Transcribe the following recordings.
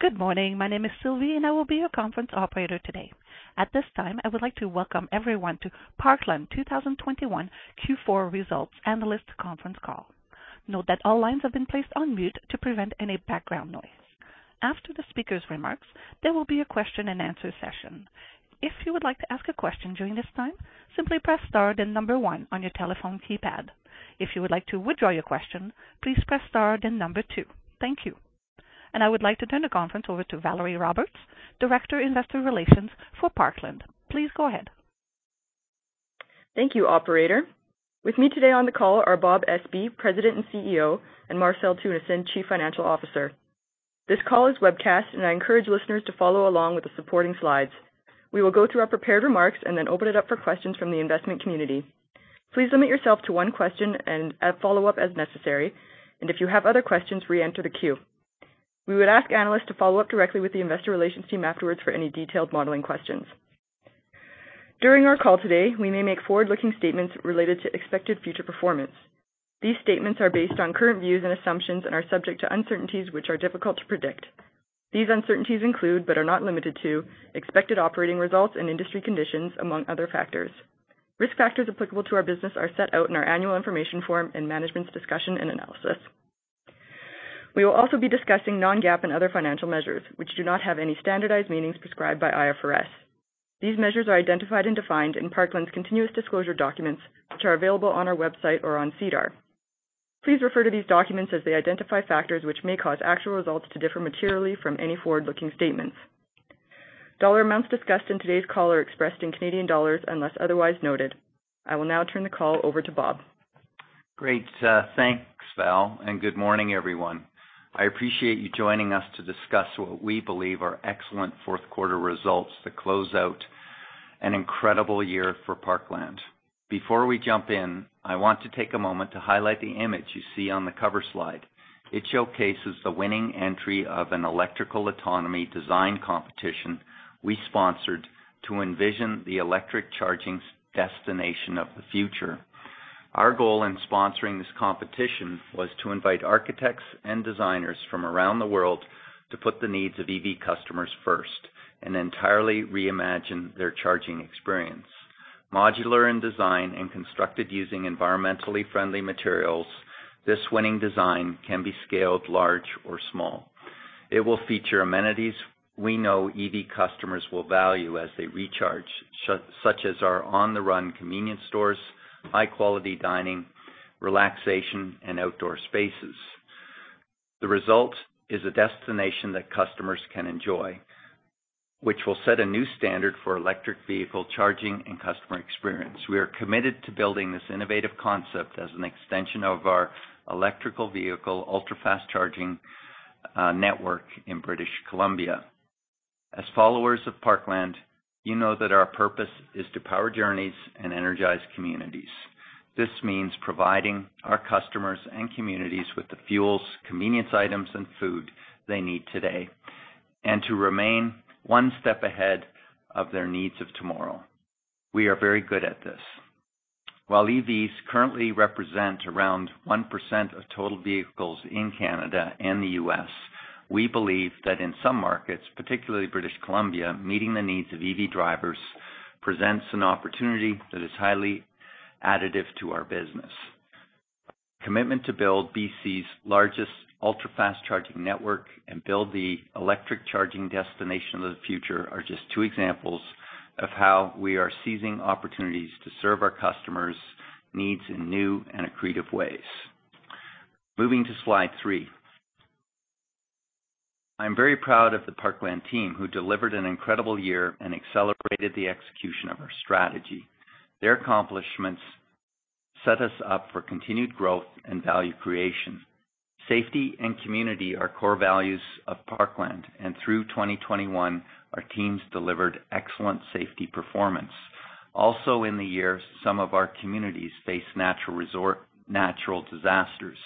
Good morning. My name is Sylvie, and I will be your conference operator today. At this time, I would like to welcome everyone to Parkland 2021 Q4 Results Analyst Conference Call. Note that all lines have been placed on mute to prevent any background noise. After the speaker's remarks, there will be a question-and-answer session. If you would like to ask a question during this time, simply press star then number one on your telephone keypad. If you would like to withdraw your question, please press star then number two. Thank you. I would like to turn the conference over to Valerie Roberts, Director, Investor Relations for Parkland. Please go ahead. Thank you, operator. With me today on the call are Bob Espey, President and CEO, and Marcel Teunissen, Chief Financial Officer. This call is webcast, and I encourage listeners to follow along with the supporting slides. We will go through our prepared remarks and then open it up for questions from the investment community. Please limit yourself to one question and a follow-up as necessary. If you have other questions, re-enter the queue. We would ask analysts to follow up directly with the investor relations team afterwards for any detailed modeling questions. During our call today, we may make forward-looking statements related to expected future performance. These statements are based on current views and assumptions and are subject to uncertainties which are difficult to predict. These uncertainties include, but are not limited to, expected operating results and industry conditions, among other factors. Risk factors applicable to our business are set out in our annual information form and management's discussion and analysis. We will also be discussing non-GAAP and other financial measures which do not have any standardized meanings prescribed by IFRS. These measures are identified and defined in Parkland's continuous disclosure documents, which are available on our website or on SEDAR. Please refer to these documents as they identify factors which may cause actual results to differ materially from any forward-looking statements. Dollar amounts discussed in today's call are expressed in Canadian dollars unless otherwise noted. I will now turn the call over to Bob Espey. Great. Thanks, Val, and good morning, everyone. I appreciate you joining us to discuss what we believe are excellent fourth quarter results that close out an incredible year for Parkland. Before we jump in, I want to take a moment to highlight the image you see on the cover slide. It showcases the winning entry of an electrical autonomy design competition we sponsored to envision the electric charging destination of the future. Our goal in sponsoring this competition was to invite architects and designers from around the world to put the needs of EV customers first and entirely reimagine their charging experience. Modular in design and constructed using environmentally friendly materials, this winning design can be scaled, large or small. It will feature amenities we know EV customers will value as they recharge, such as our On the Run convenience stores, high-quality dining, relaxation, and outdoor spaces. The result is a destination that customers can enjoy, which will set a new standard for electric vehicle charging and customer experience. We are committed to building this innovative concept as an extension of our electric vehicle ultra-fast charging network in British Columbia. As followers of Parkland, you know that our purpose is to power journeys and energize communities. This means providing our customers and communities with the fuels, convenience items, and food they need today, and to remain one step ahead of their needs of tomorrow. We are very good at this. While EVs currently represent around 1% of total vehicles in Canada and the U.S., we believe that in some markets, particularly British Columbia, meeting the needs of EV drivers presents an opportunity that is highly additive to our business. Commitment to build BC's largest ultra-fast charging network and build the electric charging destination of the future are just two examples of how we are seizing opportunities to serve our customers' needs in new and creative ways. Moving to slide three. I'm very proud of the Parkland team, who delivered an incredible year and accelerated the execution of our strategy. Their accomplishments set us up for continued growth and value creation. Safety and community are core values of Parkland, and through 2021, our teams delivered excellent safety performance. Also in the year, some of our communities faced natural disasters.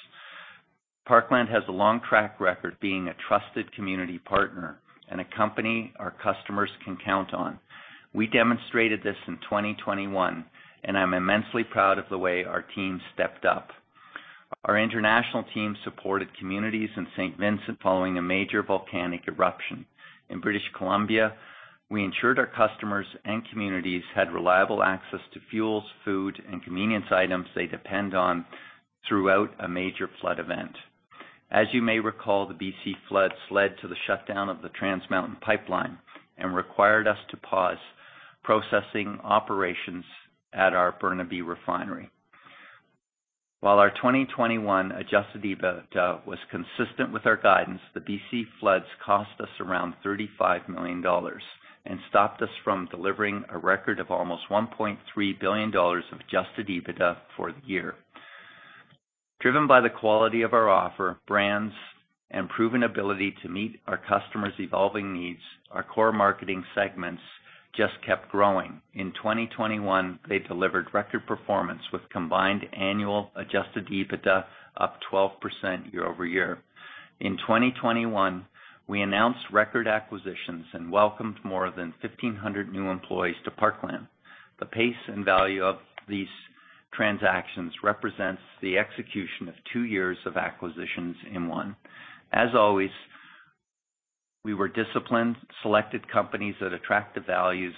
Parkland has a long track record being a trusted community partner and a company our customers can count on. We demonstrated this in 2021, and I'm immensely proud of the way our team stepped up. Our international team supported communities in Saint Vincent following a major volcanic eruption. In British Columbia, we ensured our customers and communities had reliable access to fuels, food, and convenience items they depend on throughout a major flood event. As you may recall, the BC floods led to the shutdown of the Trans Mountain pipeline and required us to pause processing operations at our Burnaby refinery. While our 2021 adjusted EBITDA was consistent with our guidance, the BC floods cost us around 35 million dollars and stopped us from delivering a record of almost 1.3 billion dollars of adjusted EBITDA for the year. Driven by the quality of our offer, brands, and proven ability to meet our customers' evolving needs, our core marketing segments just kept growing. In 2021, they delivered record performance with combined annual adjusted EBITDA up 12% year-over-year. In 2021, we announced record acquisitions and welcomed more than 1,500 new employees to Parkland. The pace and value of these transactions represents the execution of two years of acquisitions in one. As always, we were disciplined, selected companies that attract the values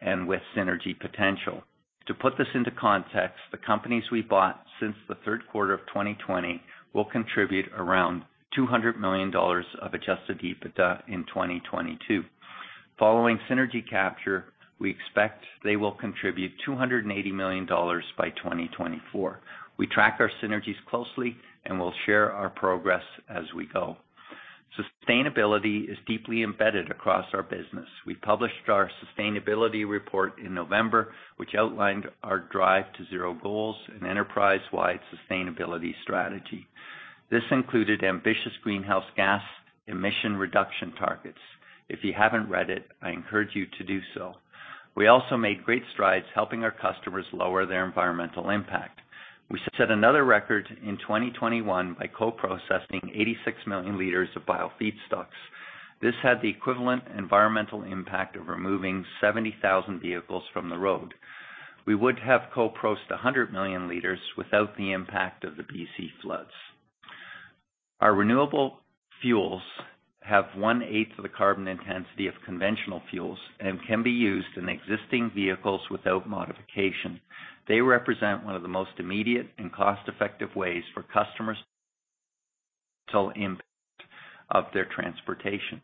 and with synergy potential. To put this into context, the companies we bought since the third quarter of 2020 will contribute around 200 million dollars of Adjusted EBITDA in 2022. Following synergy capture, we expect they will contribute 280 million dollars by 2024. We track our synergies closely, and we'll share our progress as we go. Sustainability is deeply embedded across our business. We published our sustainability report in November, which outlined our Drive to Zero goals and enterprise-wide sustainability strategy. This included ambitious greenhouse gas emissions reduction targets. If you haven't read it, I encourage you to do so. We also made great strides helping our customers lower their environmental impact. We set another record in 2021 by co-processing 86 million liters of biofeedstocks. This had the equivalent environmental impact of removing 70,000 vehicles from the road. We would have co-processed 100 million liters without the impact of the B.C. floods. Our renewable fuels have one-eighth of the carbon intensity of conventional fuels and can be used in existing vehicles without modification. They represent one of the most immediate and cost-effective ways for customers to impact their transportation.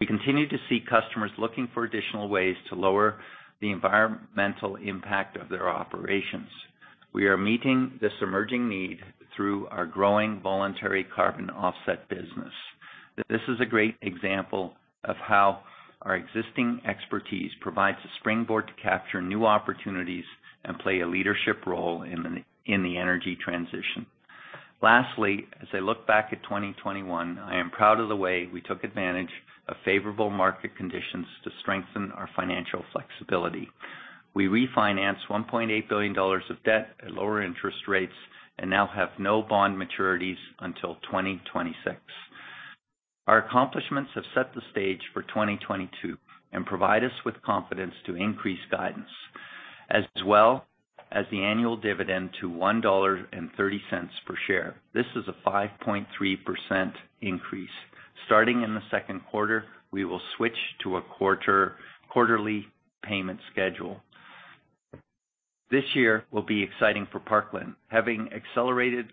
We continue to see customers looking for additional ways to lower the environmental impact of their operations. We are meeting this emerging need through our growing voluntary carbon offset business. This is a great example of how our existing expertise provides a springboard to capture new opportunities and play a leadership role in the energy transition. Lastly, as I look back at 2021, I am proud of the way we took advantage of favorable market conditions to strengthen our financial flexibility. We refinanced 1.8 billion dollars of debt at lower interest rates and now have no bond maturities until 2026. Our accomplishments have set the stage for 2022 and provide us with confidence to increase guidance, as well as the annual dividend to 1.30 dollar per share. This is a 5.3% increase. Starting in the second quarter, we will switch to a quarterly payment schedule. This year will be exciting for Parkland. Having accelerated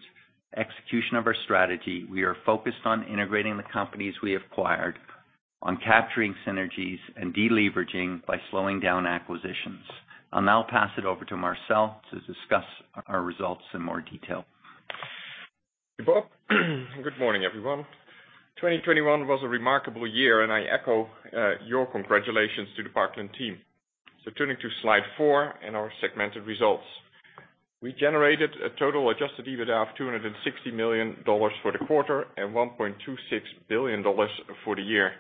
execution of our strategy, we are focused on integrating the companies we acquired, on capturing synergies and deleveraging by slowing down acquisitions. I'll now pass it over to Marcel to discuss our results in more detail. Thank you, Bob. Good morning, everyone. 2021 was a remarkable year, and I echo your congratulations to the Parkland team. Turning to slide four in our segmented results. We generated a total Adjusted EBITDA of 260 million dollars for the quarter and 1.26 billion dollars for the year.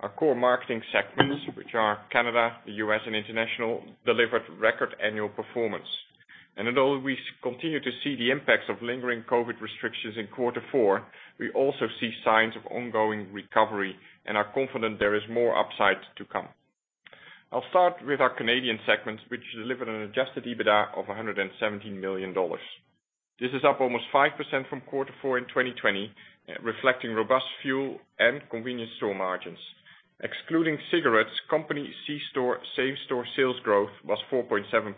Our core marketing segments, which are Canada, the U.S., and International, delivered record annual performance. Although we continue to see the impacts of lingering COVID restrictions in quarter four, we also see signs of ongoing recovery and are confident there is more upside to come. I'll start with our Canadian segment, which delivered an Adjusted EBITDA of 117 million dollars. This is up almost 5% from quarter four in 2020, reflecting robust fuel and convenience store margins. Excluding cigarettes, company C-store same-store sales growth was 4.7%.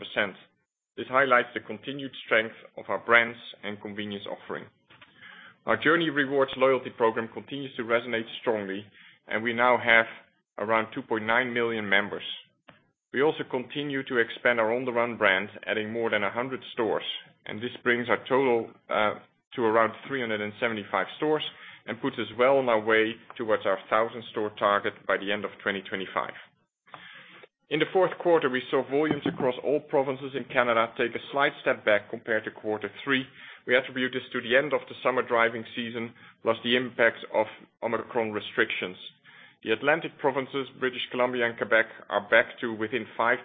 This highlights the continued strength of our brands and convenience offering. Our JOURNIE Rewards loyalty program continues to resonate strongly, and we now have around 2.9 million members. We also continue to expand our On the Run brands, adding more than 100 stores, and this brings our total to around 375 stores and puts us well on our way towards our 1,000-store target by the end of 2025. In the fourth quarter, we saw volumes across all provinces in Canada take a slight step back compared to quarter three. We attribute this to the end of the summer driving season, plus the impacts of Omicron restrictions. The Atlantic provinces, British Columbia and Quebec, are back to within 5%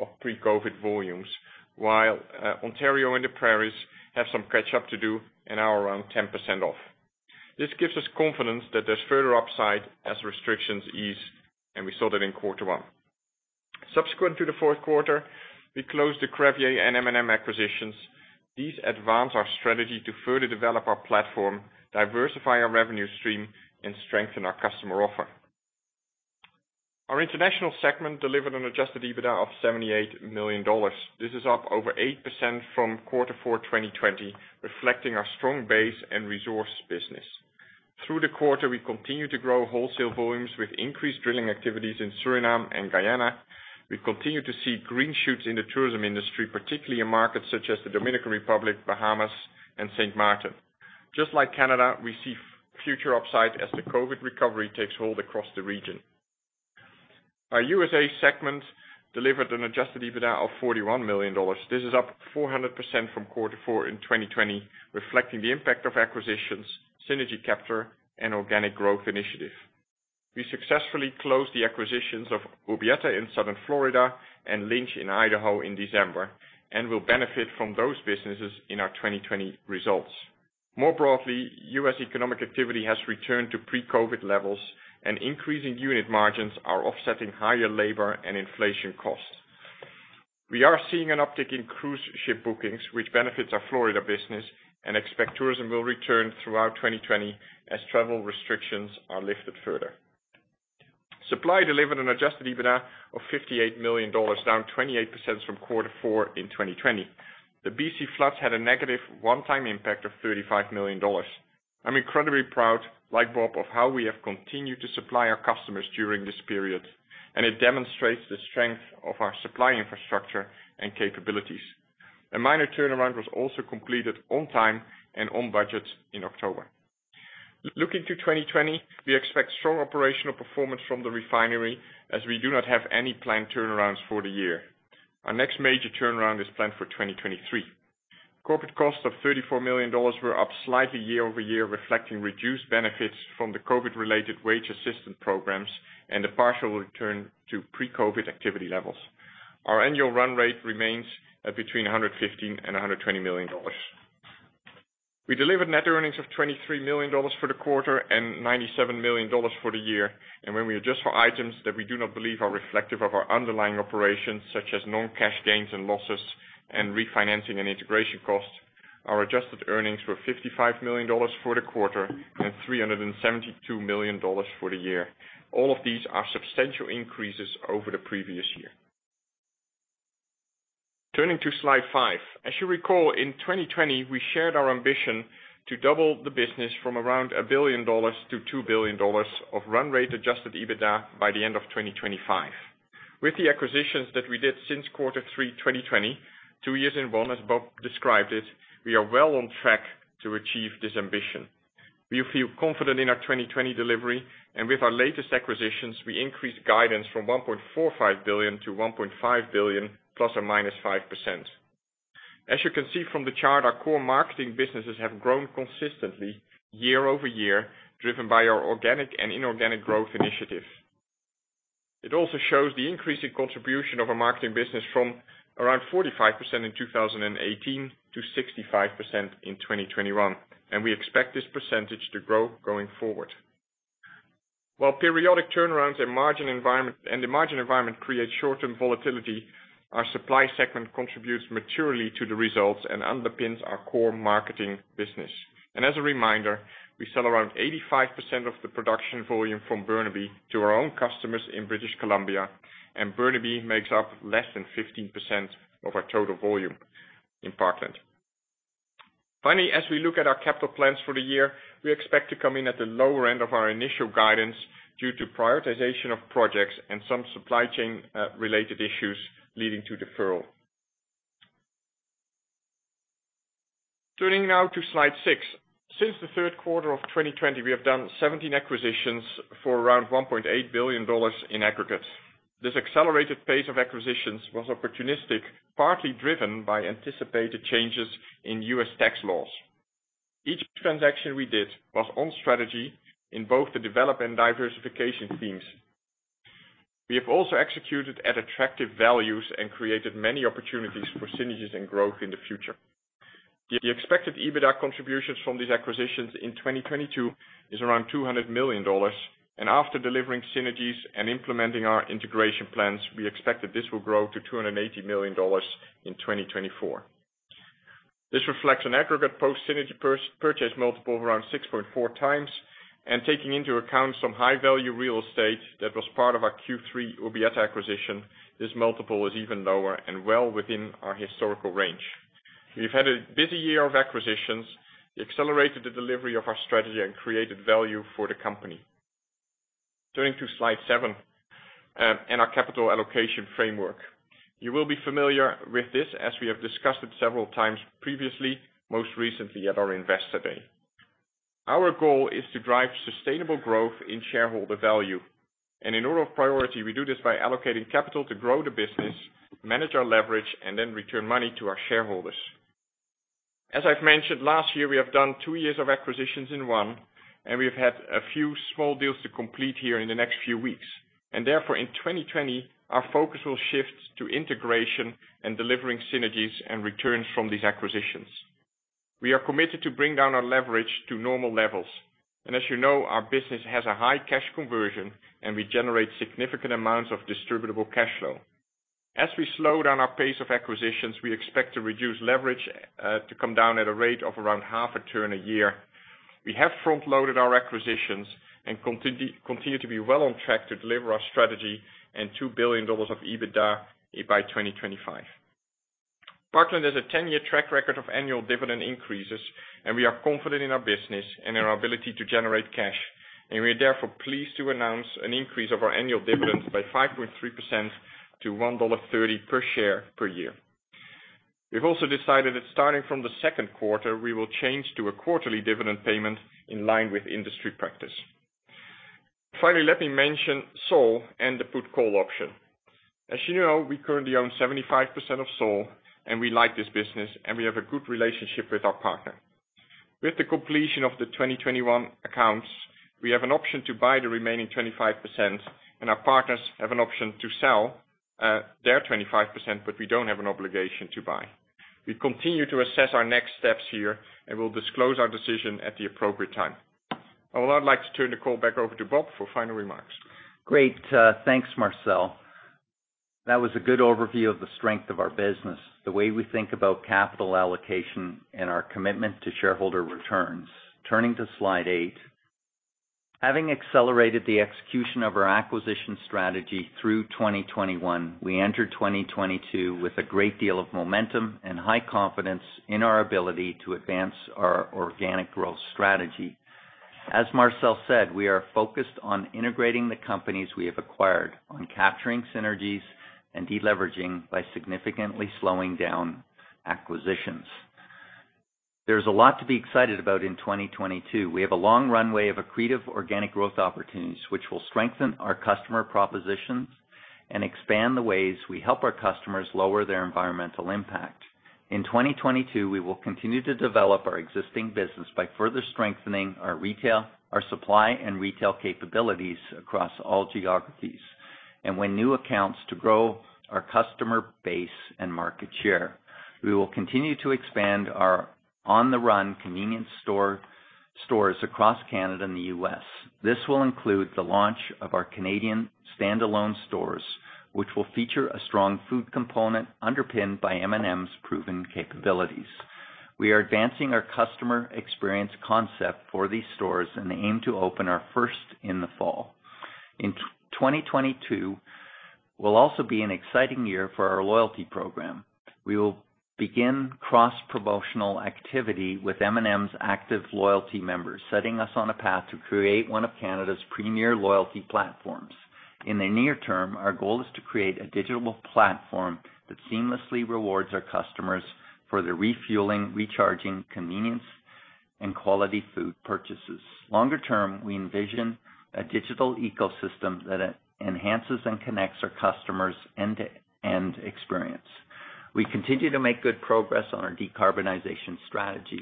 of pre-COVID volumes, while Ontario and the prairies have some catch up to do and are around 10% off. This gives us confidence that there's further upside as restrictions ease, and we saw that in quarter one. Subsequent to the fourth quarter, we closed the Crevier and M&M acquisitions. These advance our strategy to further develop our platform, diversify our revenue stream, and strengthen our customer offer. Our international segment delivered an Adjusted EBITDA of 78 million dollars. This is up over 8% from quarter four, 2020, reflecting our strong base and resource business. Through the quarter, we continue to grow wholesale volumes with increased drilling activities in Suriname and Guyana. We continue to see green shoots in the tourism industry, particularly in markets such as the Dominican Republic, Bahamas, and St. Martin. Just like Canada, we see future upside as the COVID recovery takes hold across the region. Our U.S. segment delivered an Adjusted EBITDA of 41 million dollars. This is up 400% from quarter four in 2020, reflecting the impact of acquisitions, synergy capture, and organic growth initiatives. We successfully closed the acquisitions of Urbieta in southern Florida and Lynch in Idaho in December and will benefit from those businesses in our 2020 results. More broadly, U.S. economic activity has returned to pre-COVID levels and increasing unit margins are offsetting higher labor and inflation costs. We are seeing an uptick in cruise ship bookings, which benefits our Florida business and expect tourism will return throughout 2020 as travel restrictions are lifted further. Supply delivered an Adjusted EBITDA of 58 million dollars, down 28% from quarter four in 2020. The BC floods had a negative one-time impact of 35 million dollars. I'm incredibly proud, like Bob, of how we have continued to supply our customers during this period, and it demonstrates the strength of our supply infrastructure and capabilities. A minor turnaround was also completed on time and on budget in October. Looking to 2020, we expect strong operational performance from the refinery as we do not have any planned turnarounds for the year. Our next major turnaround is planned for 2023. Corporate costs of 34 million dollars were up slightly year-over-year, reflecting reduced benefits from the COVID-related wage assistance programs and the partial return to pre-COVID activity levels. Our annual run rate remains at between 115 and 120 million dollars. We delivered net earnings of 23 million dollars for the quarter and 97 million dollars for the year. When we adjust for items that we do not believe are reflective of our underlying operations, such as non-cash gains and losses and refinancing and integration costs, our adjusted earnings were 55 million dollars for the quarter and 372 million dollars for the year. All of these are substantial increases over the previous year. Turning to slide five. As you recall, in 2020, we shared our ambition to double the business from around 1 billion dollars to 2 billion dollars of run rate Adjusted EBITDA by the end of 2025. With the acquisitions that we did since Q3 2020, two years in one, as Bob described it, we are well on track to achieve this ambition. We feel confident in our 2020 delivery, and with our latest acquisitions, we increased guidance from 1.45 billion to 1.5 billion ±5%. As you can see from the chart, our core marketing businesses have grown consistently year-over-year, driven by our organic and inorganic growth initiatives. It also shows the increasing contribution of our marketing business from around 45% in 2018 to 65% in 2021, and we expect this percentage to grow going forward. While periodic turnarounds and the margin environment create short-term volatility, our supply segment contributes materially to the results and underpins our core marketing business. As a reminder, we sell around 85% of the production volume from Burnaby to our own customers in British Columbia, and Burnaby makes up less than 15% of our total volume in Parkland. Finally, as we look at our capital plans for the year, we expect to come in at the lower end of our initial guidance due to prioritization of projects and some supply chain related issues leading to deferral. Turning now to slide six. Since the third quarter of 2020, we have done 17 acquisitions for around 1.8 billion dollars in aggregate. This accelerated pace of acquisitions was opportunistic, partly driven by anticipated changes in U.S. tax laws. Each transaction we did was on strategy in both the develop and diversification themes. We have also executed at attractive values and created many opportunities for synergies and growth in the future. The expected EBITDA contributions from these acquisitions in 2022 is around 200 million dollars, and after delivering synergies and implementing our integration plans, we expect that this will grow to 280 million dollars in 2024. This reflects an aggregate post-synergy purchase multiple of around 6.4x, and taking into account some high-value real estate that was part of our Q3 Urbieta acquisition, this multiple is even lower and well within our historical range. We've had a busy year of acquisitions, accelerated the delivery of our strategy, and created value for the company. Turning to slide seven and our capital allocation framework. You will be familiar with this as we have discussed it several times previously, most recently at our investor day. Our goal is to drive sustainable growth in shareholder value, and in order of priority, we do this by allocating capital to grow the business, manage our leverage, and then return money to our shareholders. As I've mentioned, last year, we have done two years of acquisitions in one, and we've had a few small deals to complete here in the next few weeks. Therefore, in 2020, our focus will shift to integration and delivering synergies and returns from these acquisitions. We are committed to bring down our leverage to normal levels. As you know, our business has a high cash conversion, and we generate significant amounts of distributable cash flow. As we slow down our pace of acquisitions, we expect to reduce leverage to come down at a rate of around half a turn a year. We have front-loaded our acquisitions and continue to be well on track to deliver our strategy and 2 billion dollars of EBITDA by 2025. Parkland has a 10-year track record of annual dividend increases, and we are confident in our business and in our ability to generate cash, and we are therefore pleased to announce an increase of our annual dividends by 5.3% to 1.30 dollar per share per year. We've also decided that starting from the second quarter, we will change to a quarterly dividend payment in line with industry practice. Finally, let me mention Sol and the put call option. As you know, we currently own 75% of Sol, and we like this business, and we have a good relationship with our partner. With the completion of the 2021 acquisitions. We have an option to buy the remaining 25%, and our partners have an option to sell their 25%, but we don't have an obligation to buy. We continue to assess our next steps here, and we'll disclose our decision at the appropriate time. I would now like to turn the call back over to Bob for final remarks. Great. Thanks, Marcel. That was a good overview of the strength of our business, the way we think about capital allocation, and our commitment to shareholder returns. Turning to slide eight. Having accelerated the execution of our acquisition strategy through 2021, we entered 2022 with a great deal of momentum and high confidence in our ability to advance our organic growth strategy. As Marcel said, we are focused on integrating the companies we have acquired, on capturing synergies and deleveraging by significantly slowing down acquisitions. There's a lot to be excited about in 2022. We have a long runway of accretive organic growth opportunities, which will strengthen our customer propositions and expand the ways we help our customers lower their environmental impact. In 2022, we will continue to develop our existing business by further strengthening our supply and retail capabilities across all geographies, and win new accounts to grow our customer base and market share. We will continue to expand our On the Run convenience stores across Canada and the U.S. This will include the launch of our Canadian standalone stores, which will feature a strong food component underpinned by M&M's proven capabilities. We are advancing our customer experience concept for these stores and aim to open our first in the fall. In 2022 will also be an exciting year for our loyalty program. We will begin cross-promotional activity with M&M's active loyalty members, setting us on a path to create one of Canada's premier loyalty platforms. In the near term, our goal is to create a digital platform that seamlessly rewards our customers for their refueling, recharging, convenience, and quality food purchases. Longer term, we envision a digital ecosystem that enhances and connects our customers' end-to-end experience. We continue to make good progress on our decarbonization strategy.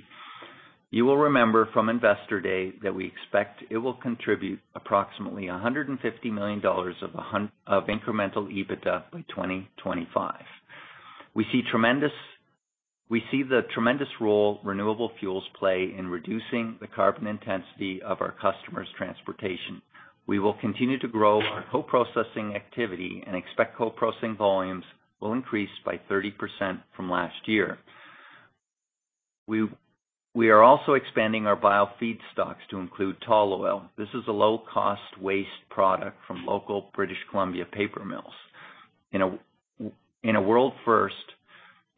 You will remember from Investor Day that we expect it will contribute approximately 150 million dollars of incremental EBITDA by 2025. We see the tremendous role renewable fuels play in reducing the carbon intensity of our customers' transportation. We will continue to grow our co-processing activity and expect co-processing volumes will increase by 30% from last year. We are also expanding our bio feedstocks to include tall oil. This is a low-cost waste product from local British Columbia paper mills. In a world first,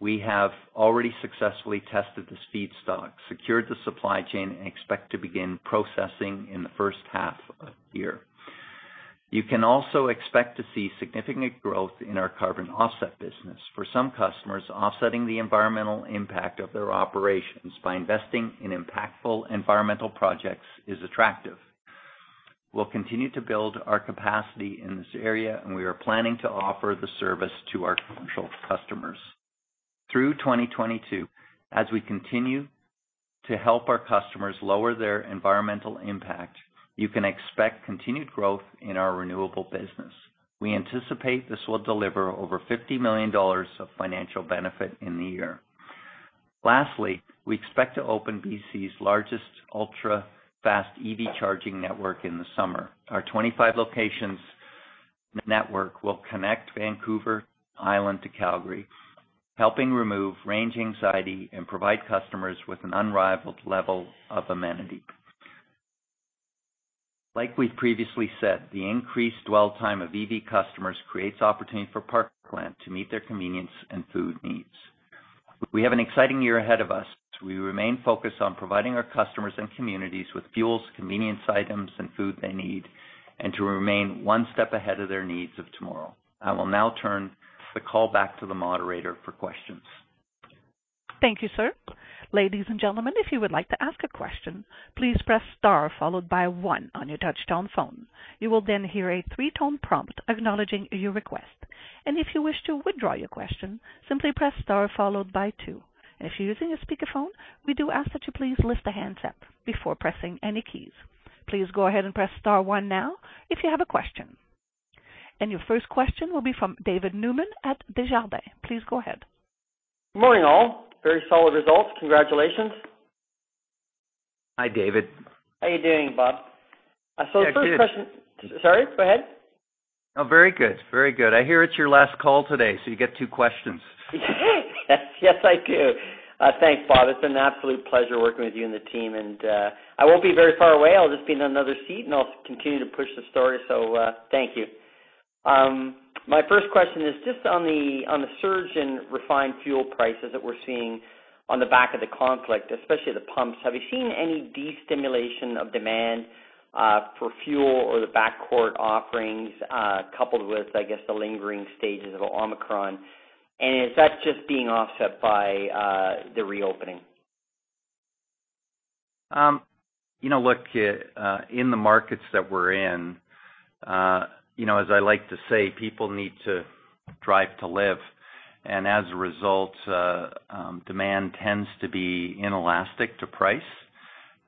we have already successfully tested this feedstock, secured the supply chain, and expect to begin processing in the first half of the year. You can also expect to see significant growth in our carbon offset business. For some customers, offsetting the environmental impact of their operations by investing in impactful environmental projects is attractive. We'll continue to build our capacity in this area, and we are planning to offer the service to our commercial customers. Through 2022, as we continue to help our customers lower their environmental impact, you can expect continued growth in our renewable business. We anticipate this will delever over 50 million dollars of financial benefit in the year. Lastly, we expect to open BC's largest ultra-fast EV charging network in the summer. Our 25 locations network will connect Vancouver Island to Calgary, helping remove range anxiety and provide customers with an unrivaled level of amenity. Like we've previously said, the increased dwell time of EV customers creates opportunity for Parkland to meet their convenience and food needs. We have an exciting year ahead of us. We remain focused on providing our customers and communities with fuels, convenience items, and food they need, and to remain one step ahead of their needs of tomorrow. I will now turn the call back to the moderator for questions. Thank you, sir. Ladies and gentlemen, if you would like to ask a question, please press star followed by one on your touchtone phone. You will then hear a three-tone prompt acknowledging your request. If you wish to withdraw your question, simply press star followed by two. If you're using a speakerphone, we do ask that you please lift the handset before pressing any keys. Please go ahead and press star one now if you have a question. Your first question will be from David Newman at Desjardins. Please go ahead. Good morning, all. Very solid results. Congratulations. Hi, David. How are you doing, Bob? Yeah, good. The first question. Sorry, go ahead. No, very good. Very good. I hear it's your last call today, so you get two questions. Yes, I do. Thanks, Bob. It's been an absolute pleasure working with you and the team and I won't be very far away. I'll just be in another seat, and I'll continue to push the story. Thank you. My first question is just on the surge in refined fuel prices that we're seeing on the back of the conflict, especially the pumps. Have you seen any destimulation of demand for fuel or the convenience offerings coupled with, I guess, the lingering stages of Omicron? Is that just being offset by the reopening? You know, look, in the markets that we're in, you know, as I like to say, people need to drive to live. As a result, demand tends to be inelastic to price.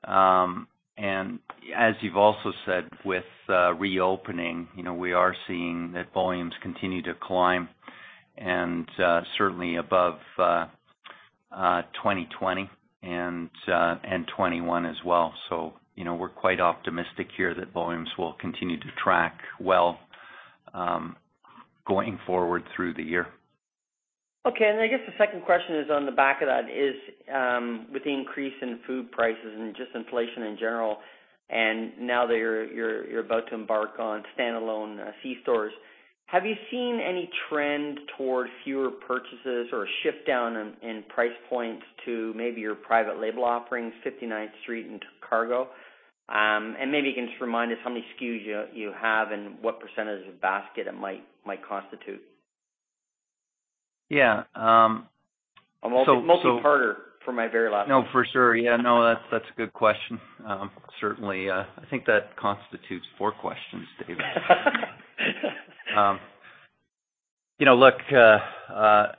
As you've also said, with reopening, you know, we are seeing that volumes continue to climb, and certainly above 2020 and 2021 as well. You know, we're quite optimistic here that volumes will continue to track well, going forward through the year. Okay. I guess the second question is on the back of that is, with the increase in food prices and just inflation in general, and now that you're about to embark on standalone, C stores, have you seen any trend toward fewer purchases or a shift down in price points to maybe your private label offerings, 59th Street and Cargo? Maybe you can just remind us how many SKUs you have and what percentage of basket it might constitute. Yeah. I'm also multi-parter for my very last one. No, for sure. Yeah, no, that's a good question. Certainly, I think that constitutes four questions, David. You know, look,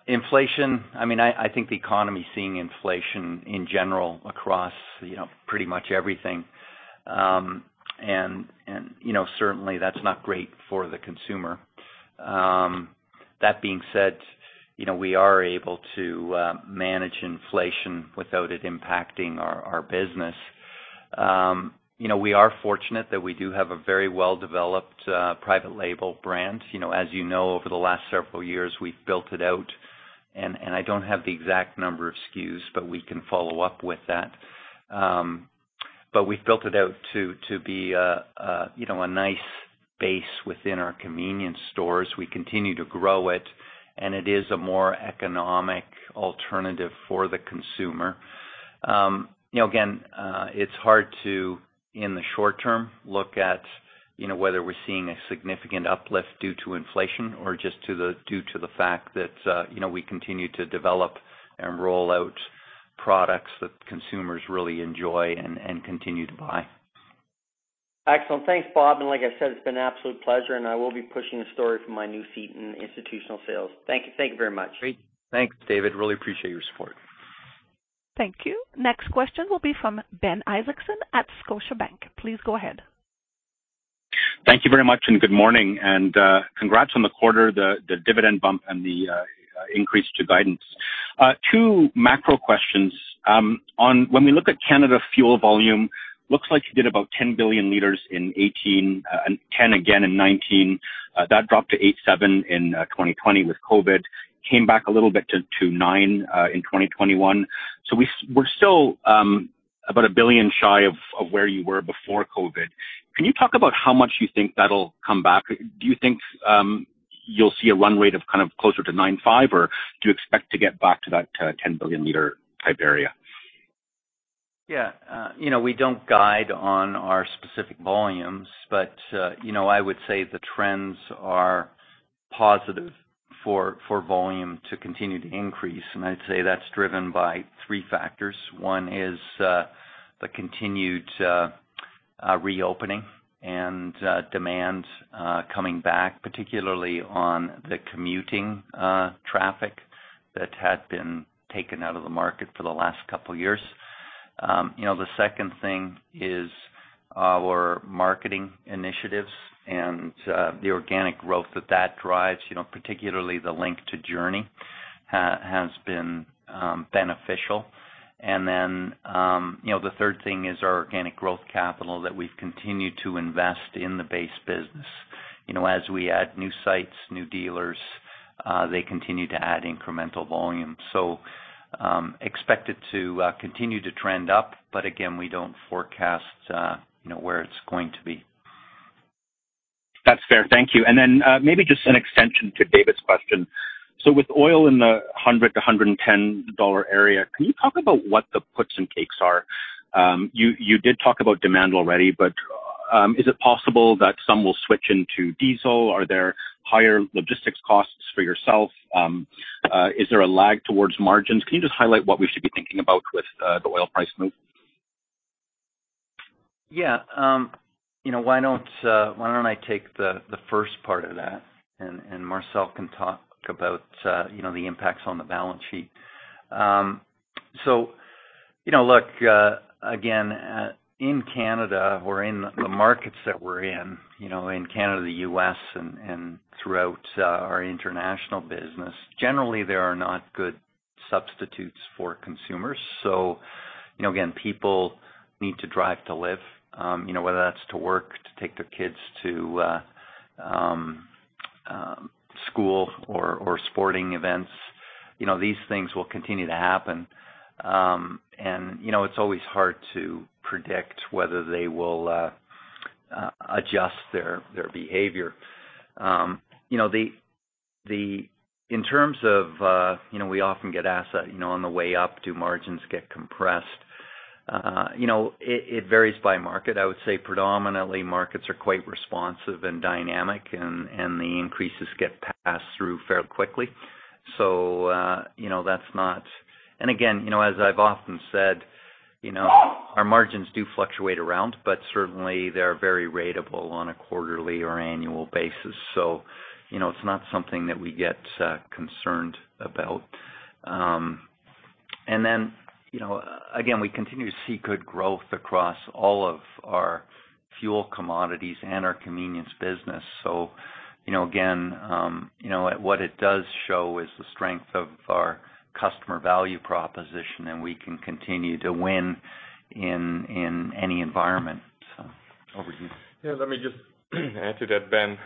inflation. I mean, I think the economy is seeing inflation in general across, you know, pretty much everything. You know, certainly that's not great for the consumer. That being said, you know, we are able to manage inflation without it impacting our business. You know, we are fortunate that we do have a very well-developed private label brand. You know, as you know, over the last several years, we've built it out, and I don't have the exact number of SKUs, but we can follow up with that. We've built it out to be, you know, a nice base within our convenience stores. We continue to grow it, and it is a more economic alternative for the consumer. You know, again, it's hard to, in the short term, look at, you know, whether we're seeing a significant uplift due to inflation or due to the fact that, you know, we continue to develop and roll out products that consumers really enjoy and continue to buy. Excellent. Thanks, Bob. Like I said, it's been an absolute pleasure, and I will be pushing the story from my new seat in institutional sales. Thank you. Thank you very much. Great. Thanks, David. I really appreciate your support. Thank you. Next question will be from Ben Isaacson at Scotiabank. Please go ahead. Thank you very much, and good morning. Congrats on the quarter, the dividend bump and the increase to guidance. Two macro questions. When we look at Canada fuel volume, looks like you did about 10 billion liters in 2018 and 10 again in 2019. That dropped to 8.7 in 2020 with COVID. Came back a little bit to nine in 2021. We're still about a billion shy of where you were before COVID. Can you talk about how much you think that'll come back? Do you think you'll see a run rate of kind of closer to 9.5, or do you expect to get back to that 10 billion liter type area? Yeah. You know, we don't guide on our specific volumes, but, you know, I would say the trends are positive for volume to continue to increase. I'd say that's driven by three factors. One is the continued reopening and demand coming back, particularly on the commuting traffic that had been taken out of the market for the last couple years. You know, the second thing is our marketing initiatives and the organic growth that drives, you know, particularly the link to JOURNIE has been beneficial. The third thing is our organic growth capital that we've continued to invest in the base business. You know, as we add new sites, new dealers, they continue to add incremental volume. Expect it to continue to trend up, but again, we don't forecast, you know, where it's going to be. That's fair. Thank you. Maybe just an extension to David's question. With oil in the $100-$110 area, can you talk about what the puts and takes are? You did talk about demand already, but is it possible that some will switch into diesel? Are there higher logistics costs for yourself? Is there a lag to margins? Can you just highlight what we should be thinking about with the oil price move? Yeah. You know, why don't I take the first part of that and Marcel can talk about, you know, the impacts on the balance sheet. You know, look, again, in Canada or in the markets that we're in, you know, in Canada, the U.S., and throughout our international business, generally, there are not good substitutes for consumers. You know, again, people need to drive to live, you know, whether that's to work, to take their kids to school or sporting events. You know, these things will continue to happen. You know, it's always hard to predict whether they will adjust their behavior. You know, the In terms of, you know, we often get asked that, you know, on the way up, do margins get compressed? You know, it varies by market. I would say predominantly markets are quite responsive and dynamic and the increases get passed through fairly quickly. You know, that's not. Again, you know, as I've often said, you know, our margins do fluctuate around, but certainly they are very ratable on a quarterly or annual basis. You know, it's not something that we get concerned about. Then, you know, again, we continue to see good growth across all of our fuel commodities and our convenience business. You know, again, you know, what it does show is the strength of our customer value proposition, and we can continue to win in any environment. Over to you. Yeah, let me just add to that, Ben.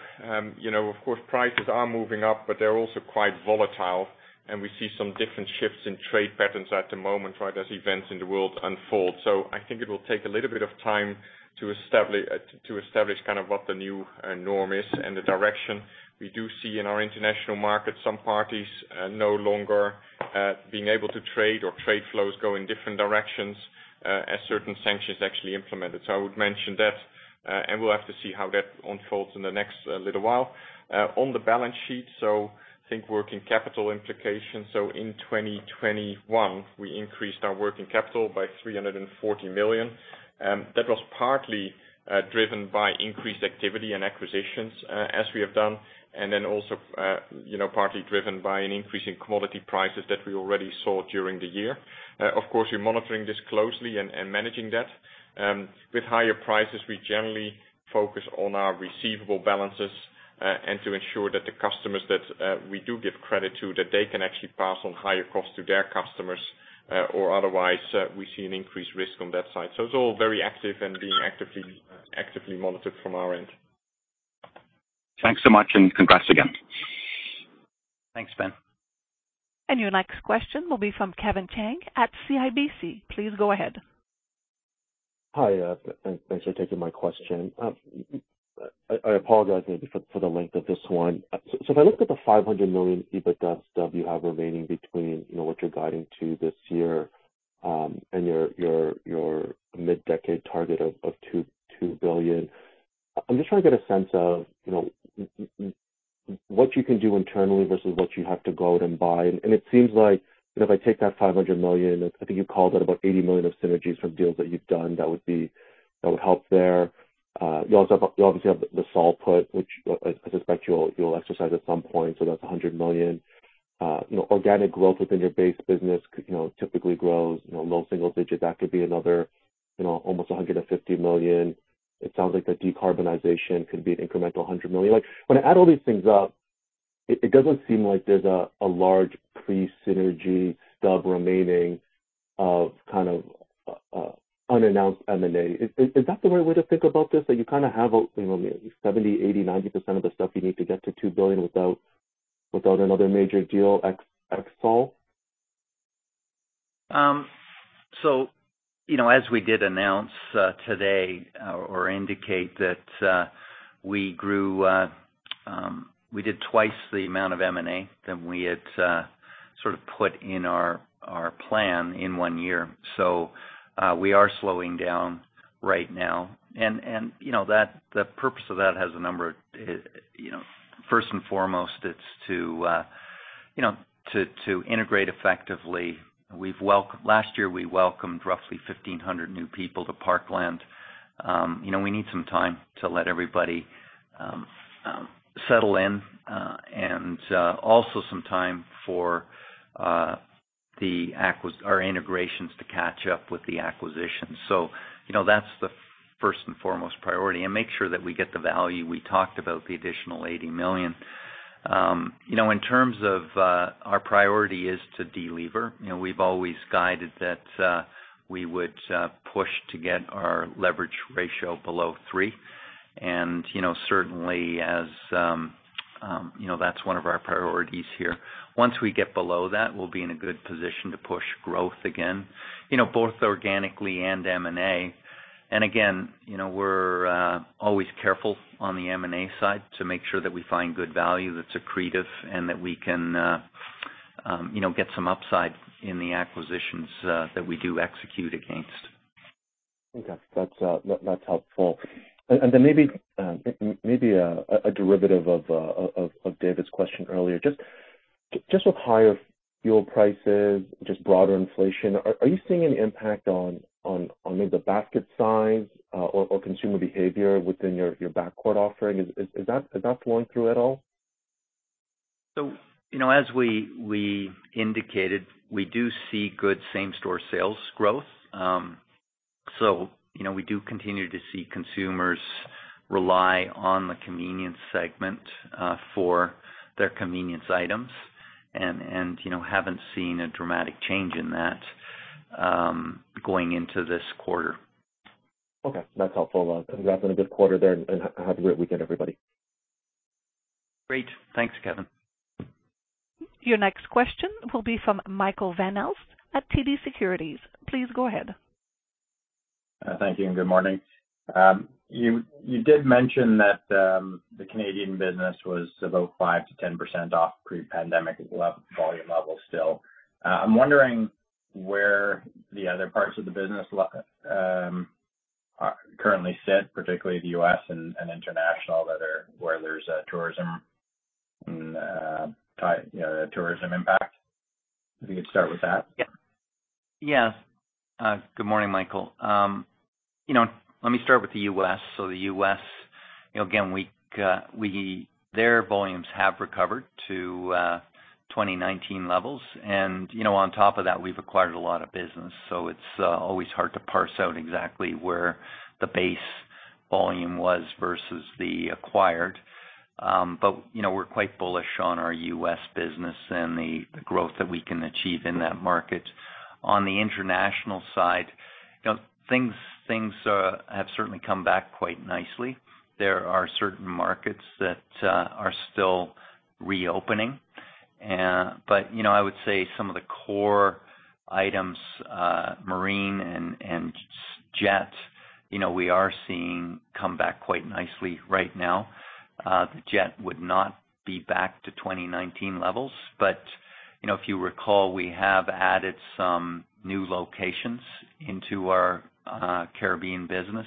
You know, of course, prices are moving up, but they're also quite volatile, and we see some different shifts in trade patterns at the moment, right, as events in the world unfold. I think it will take a little bit of time to establish kind of what the new norm is and the direction. We do see in our international markets some parties no longer being able to trade or trade flows go in different directions as certain sanctions actually implemented. I would mention that, and we'll have to see how that unfolds in the next little while. On the balance sheet, I think working capital implications. In 2021, we increased our working capital by 340 million. That was partly driven by increased activity and acquisitions as we have done, and then also, you know, partly driven by an increase in commodity prices that we already saw during the year. Of course, we're monitoring this closely and managing that. With higher prices, we generally focus on our receivable balances and to ensure that the customers that we do give credit to, that they can actually pass on higher costs to their customers or otherwise, we see an increased risk on that side. So it's all very active and being actively monitored from our end. Thanks so much, and congrats again. Thanks, Ben. Your next question will be from Kevin Chiang at CIBC. Please go ahead. Hi. Thanks for taking my question. I apologize for the length of this one. If I look at the 500 million EBITDA stub you have remaining between, you know, what you're guiding to this year, and your mid-decade target of 2 billion, I'm just trying to get a sense of, you know, what you can do internally versus what you have to go out and buy. It seems like if I take that 500 million, I think you called it about 80 million of synergies from deals that you've done that would help there. You also have you obviously have the Sol put, which I suspect you'll exercise at some point. That's 100 million. You know, organic growth within your base business, you know, typically grows, you know, low single digits%. That could be another, you know, almost 150 million. It sounds like the decarbonization could be an incremental 100 million. Like, when I add all these things up, it doesn't seem like there's a large pre-synergy stub remaining of kind of unannounced M&A. Is that the right way to think about this? That you kind of have a, you know, 70, 80, 90% of the stuff you need to get to 2 billion without another major deal ex Sol? You know, as we did announce, today or indicate that, we grew, we did twice the amount of M&A than we had, sort of put in our plan in one year. We are slowing down right now. You know, the purpose of that has a number of. You know, first and foremost, it's to integrate effectively. Last year, we welcomed roughly 1,500 new people to Parkland. You know, we need some time to let everybody settle in, and also some time for our integrations to catch up with the acquisitions. You know, that's the first and foremost priority, and make sure that we get the value. We talked about the additional 80 million. You know, in terms of our priority is to delever. You know, we've always guided that we would push to get our leverage ratio below three. You know, certainly as you know, that's one of our priorities here. Once we get below that, we'll be in a good position to push growth again, you know, both organically and M&A. Again, you know, we're always careful on the M&A side to make sure that we find good value that's accretive and that we can, you know, get some upside in the acquisitions that we do execute against. Okay. That's helpful. Then maybe a derivative of David's question earlier. Just with higher fuel prices, just broader inflation, are you seeing an impact on maybe the basket size or consumer behavior within your back court offering? Is that flowing through at all? You know, as we indicated, we do see good same-store sales growth. You know, we do continue to see consumers rely on the convenience segment for their convenience items and you know, haven't seen a dramatic change in that going into this quarter. Okay. That's helpful. Congrats on a good quarter there, and have a great weekend, everybody. Great. Thanks, Kevin. Your next question will be from Michael Van Aelst at TD Securities. Please go ahead. Thank you, and good morning. You did mention that the Canadian business was about 5%-10% off pre-pandemic volume levels still. I'm wondering where the other parts of the business are currently sitting, particularly the U.S. and international that are where there's a tourism impact. If you could start with that. Good morning, Michael. You know, let me start with the U.S. The U.S., you know, again, their volumes have recovered to 2019 levels. You know, on top of that, we've acquired a lot of business, so it's always hard to parse out exactly where the base volume was versus the acquired. You know, we're quite bullish on our U.S. business and the growth that we can achieve in that market. On the international side, you know, things have certainly come back quite nicely. There are certain markets that are still reopening. You know, I would say some of the core items, marine and s-jet, you know, we are seeing come back quite nicely right now. The jet would not be back to 2019 levels, but you know, if you recall, we have added some new locations into our Caribbean business,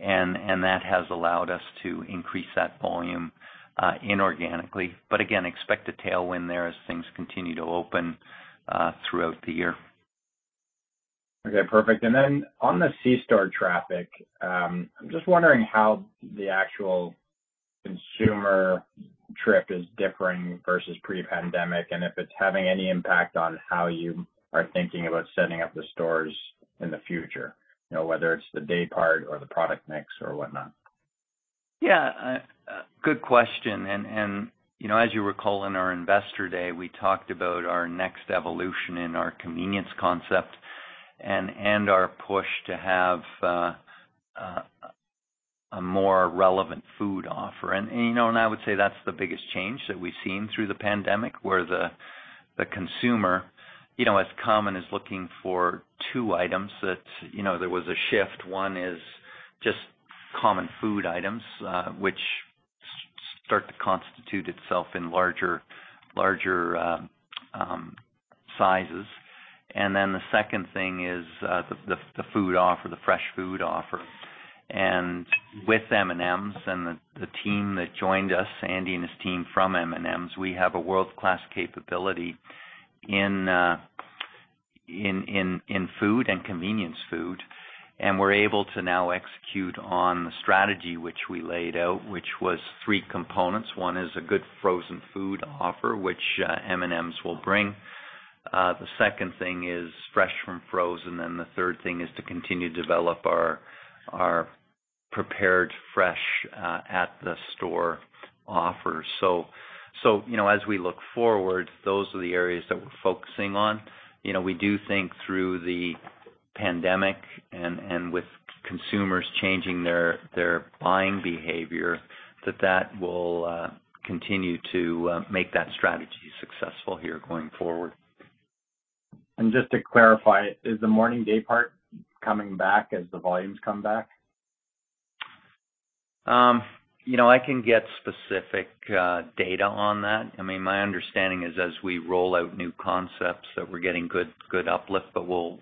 and that has allowed us to increase that volume inorganically. Again, expect a tailwind there as things continue to open throughout the year. Okay, perfect. On the C store traffic, I'm just wondering how the actual consumer trip is differing versus pre-pandemic, and if it's having any impact on how you are thinking about setting up the stores in the future, you know, whether it's the day part or the product mix or whatnot? Yeah. Good question. You know, as you recall in our investor day, we talked about our next evolution in our convenience concept and our push to have a more relevant food offer. You know, I would say that's the biggest change that we've seen through the pandemic, where the consumer, you know, as consumers, is looking for two items that, you know, there was a shift. One is just common food items, which start to constitute itself in larger sizes. The second thing is the food offer, the fresh food offer. With M&M's and the team that joined us, Andy and his team from M&M's, we have a world-class capability in food and convenience food. We're able to now execute on the strategy which we laid out, which was three components. One is a good frozen food offer, which, M&M's will bring. The second thing is fresh from frozen, and the third thing is to continue to develop our prepared fresh at the store offers. You know, as we look forward, those are the areas that we're focusing on. You know, we do think through the pandemic and with consumers changing their buying behavior, that will continue to make that strategy successful here going forward. Just to clarify, is the morning day part coming back as the volumes come back? You know, I can get specific data on that. I mean, my understanding is as we roll out new concepts that we're getting good uplift, but we'll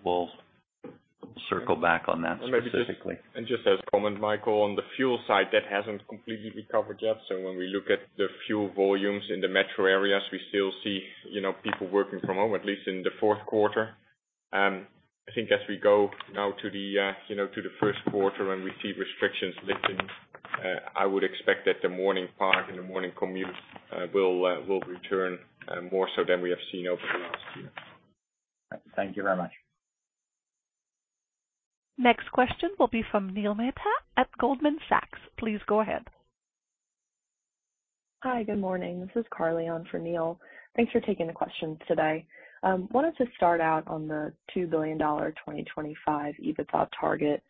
circle back on that specifically. Maybe just as a comment, Michael, on the fuel side, that hasn't completely recovered yet. When we look at the fuel volumes in the metro areas, we still see, you know, people working from home, at least in the fourth quarter. I think as we go now to the first quarter and we see restrictions lifting, I would expect that the morning peak and the morning commute will return more so than we have seen over the last year. Thank you very much. Next question will be from Neil Mehta at Goldman Sachs. Please go ahead. Hi, good morning. This is Carly on for Neil. Thanks for taking the questions today. Wanted to start out on the 2 billion dollar 2025 EBITDA target.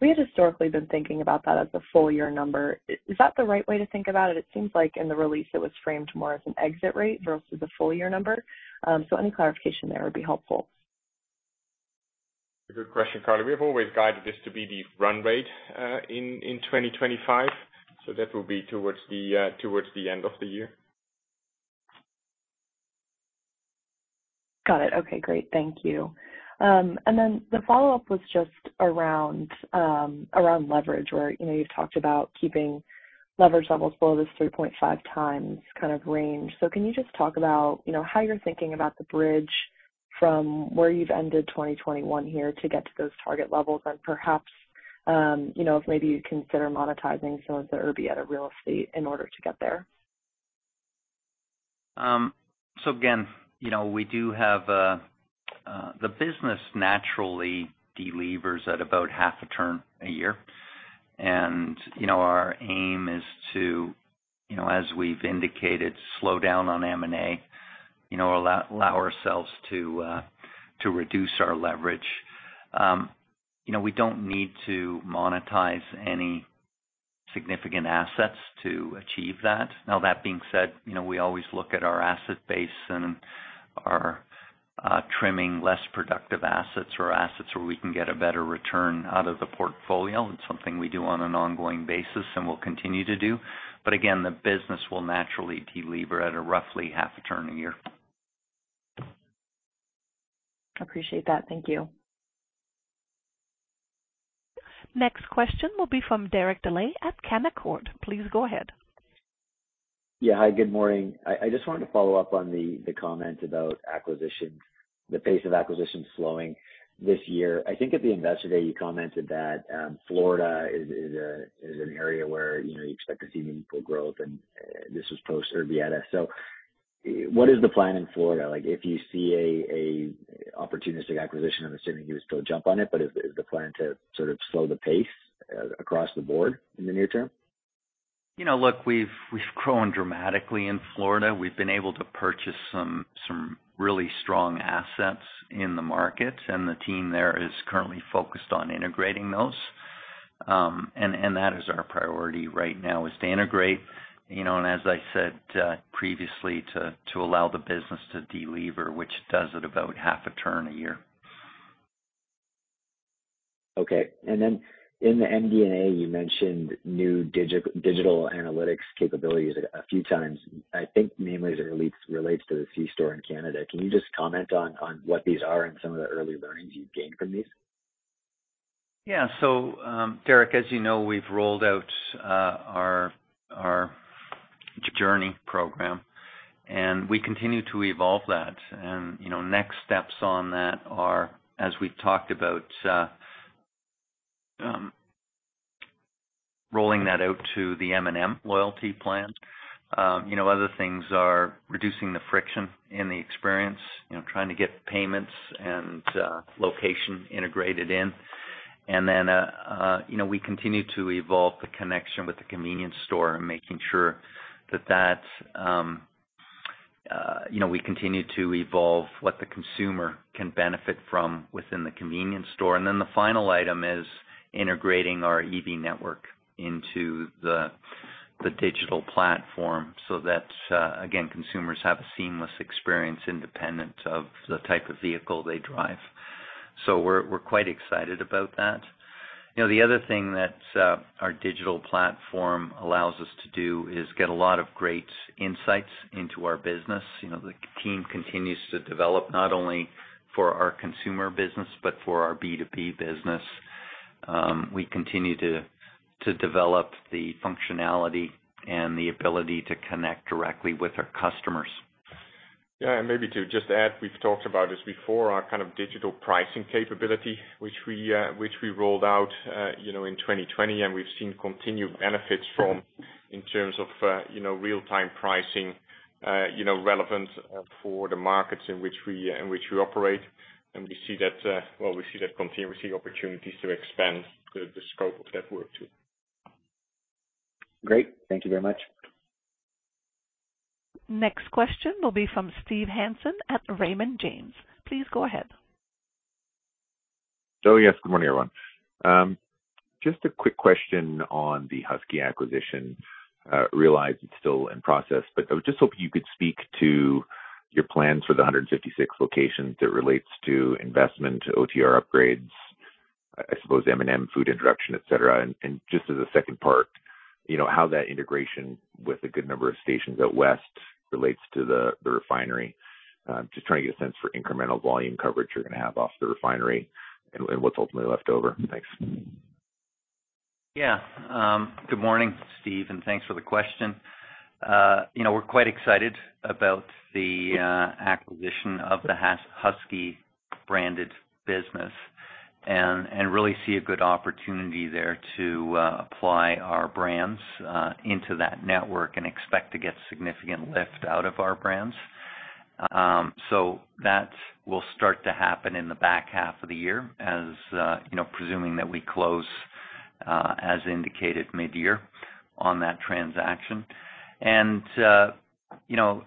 We had historically been thinking about that as a full year number. Is that the right way to think about it? It seems like in the release it was framed more as an exit rate versus a full year number. Any clarification there would be helpful. A good question, Carly. We have always guided this to be the run rate in 2025, so that will be towards the end of the year. Got it. Okay, great. Thank you. And then the follow-up was just around leverage, where, you know, you've talked about keeping leverage levels below this 3.5 times kind of range. Can you just talk about, you know, how you're thinking about the bridge from where you've ended 2021 here to get to those target levels? And perhaps, you know, if maybe you consider monetizing some of the Urbieta real estate in order to get there. Again, you know, we do have the business naturally delevers at about half a turn a year. You know, our aim is to, you know, as we've indicated, slow down on M&A, you know, allow ourselves to reduce our leverage. You know, we don't need to monetize any significant assets to achieve that. Now, that being said, you know, we always look at our asset base and are trimming less productive assets or assets where we can get a better return out of the portfolio. It's something we do on an ongoing basis and will continue to do. Again, the business will naturally delever at a roughly half a turn a year. Appreciate that. Thank you. Next question will be from Derek Dley at Canaccord. Please go ahead. Yeah. Hi, good morning. I just wanted to follow up on the comment about acquisitions, the pace of acquisitions slowing this year. I think at the Investor Day, you commented that Florida is an area where you know you expect to see meaningful growth, and this was post Urbieta. What is the plan in Florida? Like, if you see an opportunistic acquisition, I'm assuming you would still jump on it, but is the plan to sort of slow the pace across the board in the near term? You know, look, we've grown dramatically in Florida. We've been able to purchase some really strong assets in the market, and the team there is currently focused on integrating those. That is our priority right now, to integrate, you know, and as I said, previously, to allow the business to delever, which does it about half a turn a year. Okay. Then in the MD&A, you mentioned new digital analytics capabilities a few times, I think mainly as it relates to the C-store in Canada. Can you just comment on what these are and some of the early learnings you've gained from these? Yeah. Derek, as you know, we've rolled out our JOURNIE program and we continue to evolve that. You know, next steps on that are, as we've talked about, rolling that out to the M&M loyalty plan. You know, other things are reducing the friction in the experience, you know, trying to get payments and location integrated in. You know, we continue to evolve the connection with the convenience store and making sure that that's, you know, we continue to evolve what the consumer can benefit from within the convenience store. The final item is integrating our EV network into the digital platform so that, again, consumers have a seamless experience independent of the type of vehicle they drive. We're quite excited about that. You know, the other thing that our digital platform allows us to do is get a lot of great insights into our business. You know, the team continues to develop not only for our consumer business, but for our B2B business. We continue to develop the functionality and the ability to connect directly with our customers. Yeah. Maybe to just add, we've talked about this before, our kind of digital pricing capability, which we rolled out, you know, in 2020, and we've seen continued benefits from in terms of, you know, real-time pricing, you know, relevant, for the markets in which we operate. We see that continuously, opportunities to expand the scope of that work too. Great. Thank you very much. Next question will be from Steve Hansen at Raymond James. Please go ahead. Oh, yes. Good morning, everyone. Just a quick question on the Husky acquisition. I realize it's still in process, but I was just hoping you could speak to your plans for the 156 locations as it relates to investment, OTR upgrades, I suppose M&M Food introduction, et cetera. Just as a second part, you know, how that integration with a good number of stations out west relates to the refinery. Just trying to get a sense for incremental volume coverage you're gonna have off the refinery and what's ultimately left over. Thanks. Yeah. Good morning, Steve, and thanks for the question. You know, we're quite excited about the acquisition of the Husky branded business and really see a good opportunity there to apply our brands into that network and expect to get significant lift out of our brands. That will start to happen in the back half of the year, as you know, presuming that we close as indicated mid-year on that transaction. You know,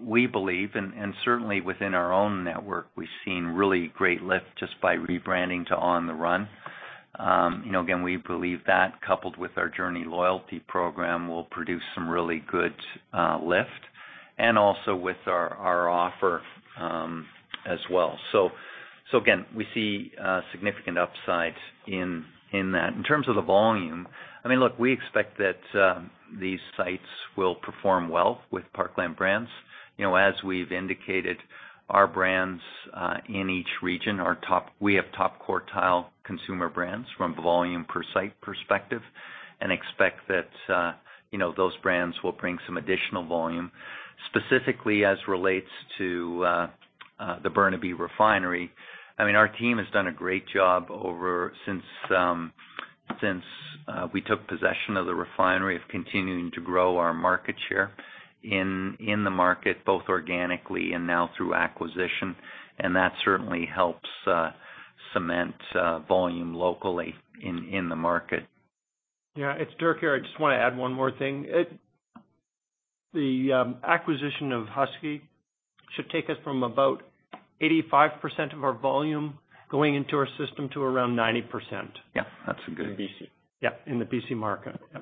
we believe and certainly within our own network, we've seen really great lift just by rebranding to On the Run. You know, again, we believe that coupled with our JOURNIE loyalty program will produce some really good lift and also with our offer as well. Again, we see significant upside in that. In terms of the volume, I mean, look, we expect that these sites will perform well with Parkland brands. You know, as we've indicated, our brands in each region are top quartile consumer brands from volume per site perspective and expect that those brands will bring some additional volume. Specifically as relates to the Burnaby Refinery, I mean, our team has done a great job since we took possession of the refinery of continuing to grow our market share in the market, both organically and now through acquisition. That certainly helps cement volume locally in the market. Yeah. It's Dirk here. I just wanna add one more thing. The acquisition of Husky should take us from about 85% of our volume going into our system to around 90%. Yeah. That's a good. In B.C. Yeah, in the B.C. market. Yeah.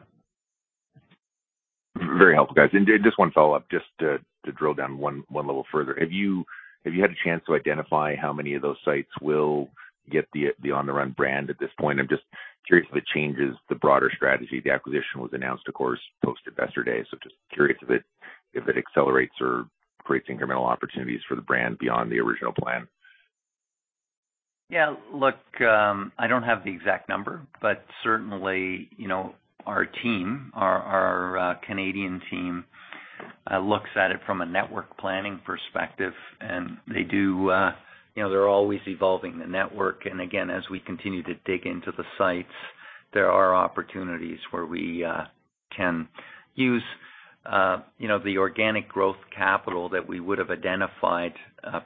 Very helpful, guys. Just one follow-up, just to drill down one level further. Have you had a chance to identify how many of those sites will get the On the Run brand at this point? I'm just curious if it changes the broader strategy. The acquisition was announced, of course, post Investor Day. Just curious if it accelerates or creates incremental opportunities for the brand beyond the original plan. Yeah. Look, I don't have the exact number, but certainly, you know, our Canadian team looks at it from a network planning perspective, and they do. You know, they're always evolving the network. Again, as we continue to dig into the sites, there are opportunities where we can use, you know, the organic growth capital that we would have identified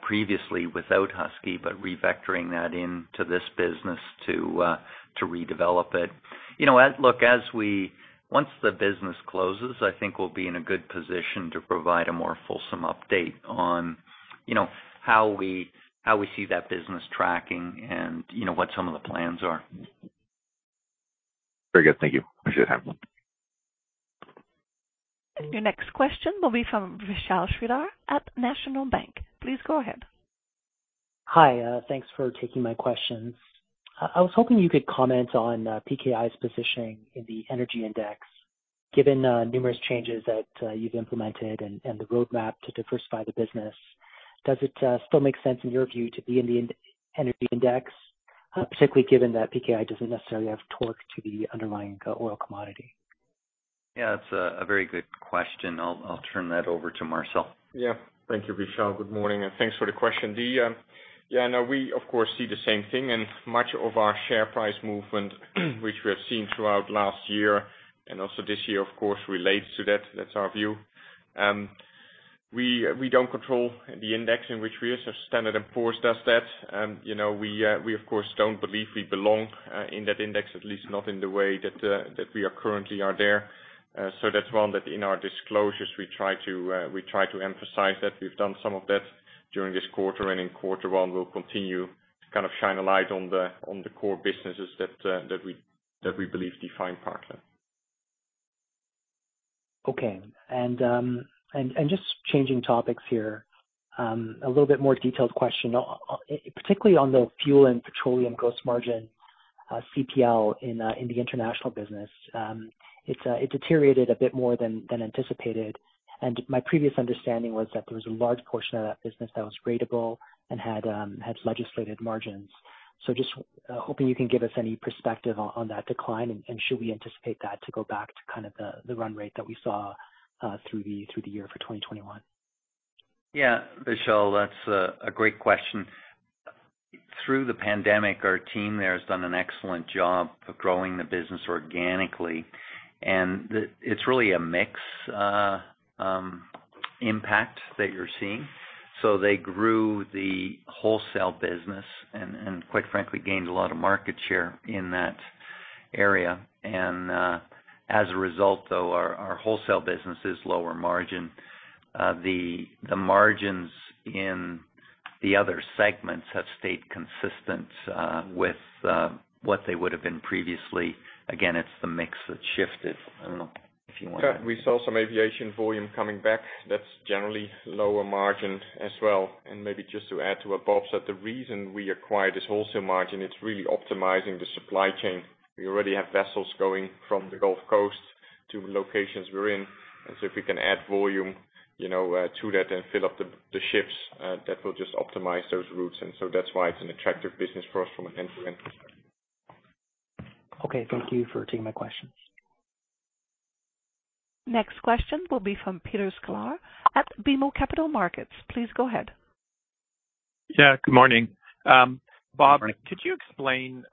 previously without Husky, but refactoring that into this business to redevelop it. You know, once the business closes, I think we'll be in a good position to provide a more fulsome update on, you know, how we see that business tracking and, you know, what some of the plans are. Very good. Thank you. Appreciate it. Have a good one. Your next question will be from Vishal Shreedhar at National Bank. Please go ahead. Hi, thanks for taking my questions. I was hoping you could comment on PKI's positioning in the energy index, given numerous changes that you've implemented and the roadmap to diversify the business. Does it still make sense in your view to be in the energy index, particularly given that PKI doesn't necessarily have torque to the underlying oil commodity? Yeah, it's a very good question. I'll turn that over to Marcel. Yeah. Thank you, Vishal. Good morning, and thanks for the question. Yeah, no, we of course see the same thing and much of our share price movement, which we have seen throughout last year and also this year, of course, relates to that. That's our view. We don't control the index in which we are. So Standard & Poor's does that. You know, we of course don't believe we belong in that index, at least not in the way that we are currently there. So that's one that in our disclosures we try to emphasize that. We've done some of that during this quarter and in quarter one, we'll continue to kind of shine a light on the core businesses that we believe define Parkland. Okay, just changing topics here. A little bit more detailed question, particularly on the fuel and petroleum gross margin, CPL in the international business. It deteriorated a bit more than anticipated. My previous understanding was that there was a large portion of that business that was gradable and had legislated margins. Just hoping you can give us any perspective on that decline and should we anticipate that to go back to kind of the run rate that we saw through the year for 2021? Yeah. Vishal, that's a great question. Through the pandemic, our team there has done an excellent job of growing the business organically. It's really a mix impact that you're seeing. They grew the wholesale business and quite frankly gained a lot of market share in that area. As a result, though, our wholesale business is lower margin. The margins in the other segments have stayed consistent with what they would have been previously. Again, it's the mix that shifted. I don't know if you wanna- Yeah. We saw some aviation volume coming back. That's generally lower margin as well. Maybe just to add to what Bob said, the reason we acquired this wholesale margin, it's really optimizing the supply chain. We already have vessels going from the Gulf Coast to locations we're in. If we can add volume, you know, to that and fill up the ships, that will just optimize those routes. That's why it's an attractive business for us from an end-to-end perspective. Okay, thank you for taking my questions. Next question will be from Peter Sklar at BMO Capital Markets. Please go ahead. Yeah, good morning. Bob Good morning. Could you explain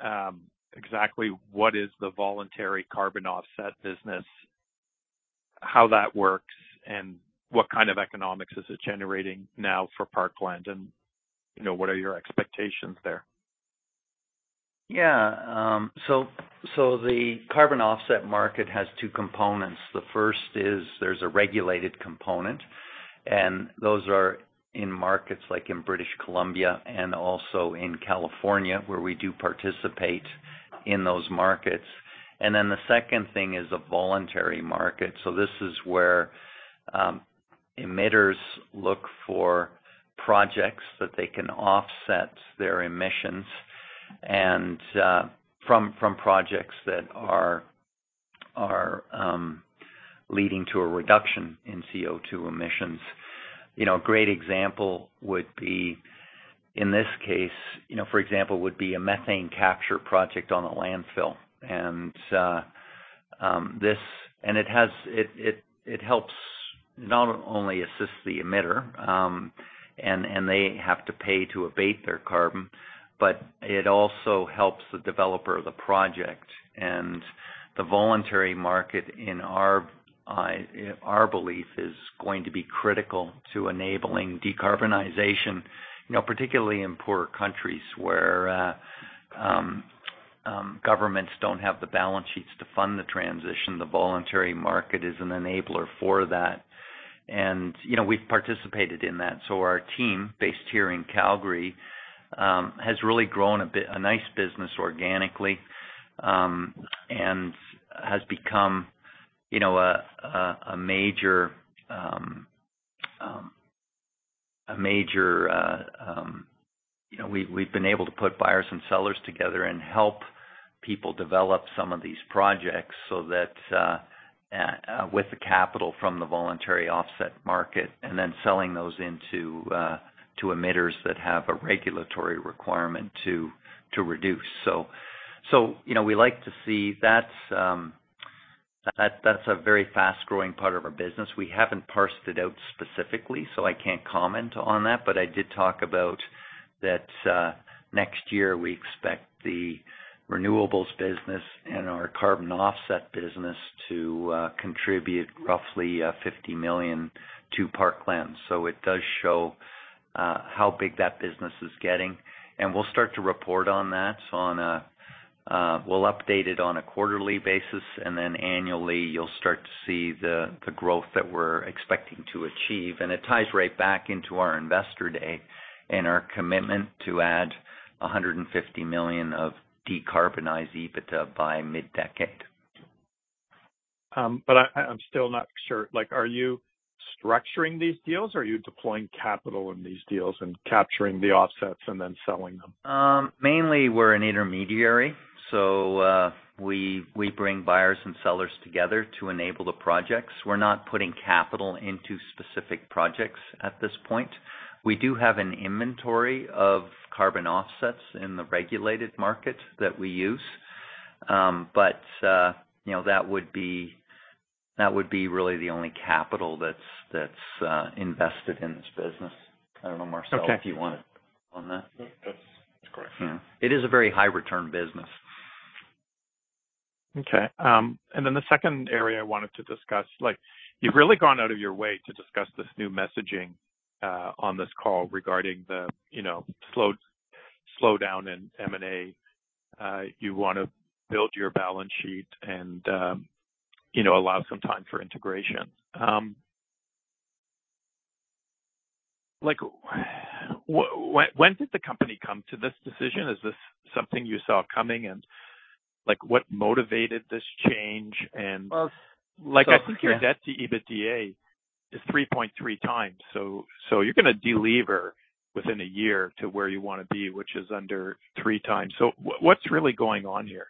exactly what is the voluntary carbon offset business, how that works, and what kind of economics is it generating now for Parkland? You know, what are your expectations there? Yeah. The carbon offset market has two components. The first is there's a regulated component, and those are in markets like in British Columbia and also in California, where we do participate in those markets. The second thing is a voluntary market. This is where emitters look for projects that they can offset their emissions and from projects that are leading to a reduction in CO2 emissions. You know, a great example would be, in this case, you know, for example, would be a methane capture project on a landfill. It helps not only assist the emitter, and they have to pay to abate their carbon, but it also helps the developer of the project. The voluntary market in our belief is going to be critical to enabling decarbonization, you know, particularly in poorer countries where governments don't have the balance sheets to fund the transition. The voluntary market is an enabler for that. You know, we've participated in that. Our team based here in Calgary has really grown a nice business organically and has become, you know, a major. You know, we've been able to put buyers and sellers together and help people develop some of these projects so that with the capital from the voluntary offset market and then selling those into to emitters that have a regulatory requirement to reduce. You know, that's a very fast-growing part of our business. We haven't parsed it out specifically, so I can't comment on that. I did talk about that next year. We expect the renewables business and our carbon offset business to contribute roughly 50 million to Parkland. It does show how big that business is getting. We'll update it on a quarterly basis, and then annually you'll start to see the growth that we're expecting to achieve. It ties right back into our investor day and our commitment to add 150 million of decarbonized EBITDA by mid-decade. I'm still not sure. Like, are you structuring these deals, or are you deploying capital in these deals and capturing the offsets and then selling them? Mainly we're an intermediary, so we bring buyers and sellers together to enable the projects. We're not putting capital into specific projects at this point. We do have an inventory of carbon offsets in the regulated market that we use. You know, that would be really the only capital that's invested in this business. I don't know, Marcel, if you want to comment on that. That's correct. It is a very high return business. Okay. The second area I wanted to discuss, like you've really gone out of your way to discuss this new messaging on this call regarding the, you know, slow down in M&A. You wanna build your balance sheet and, you know, allow some time for integration. Like, when did the company come to this decision? Is this something you saw coming? Like, what motivated this change? Like, I think your debt to EBITDA is 3.3x, so you're gonna delever within a year to where you wanna be, which is under 3x. What's really going on here?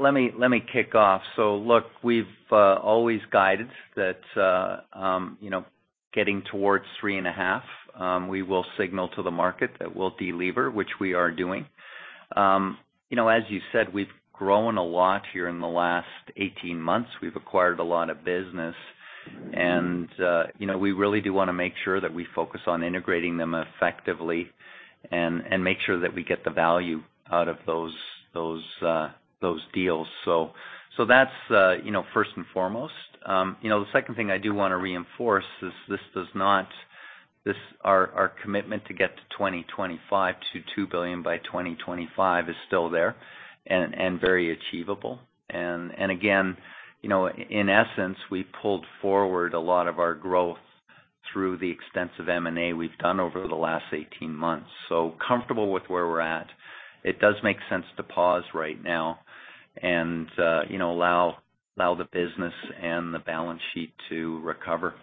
Let me kick off. Look, we've always guided that you know, getting towards 3.5, we will signal to the market that we'll delever, which we are doing. You know, as you said, we've grown a lot here in the last 18 months. We've acquired a lot of business, and you know, we really do wanna make sure that we focus on integrating them effectively and make sure that we get the value out of those deals. That's you know, first and foremost. You know, the second thing I do wanna reinforce is our commitment to 2 billion by 2025 is still there and very achievable. Again, you know, in essence, we pulled forward a lot of our growth through the extensive M&A we've done over the last 18 months. Comfortable with where we're at. It does make sense to pause right now and, you know, allow the business and the balance sheet to recover.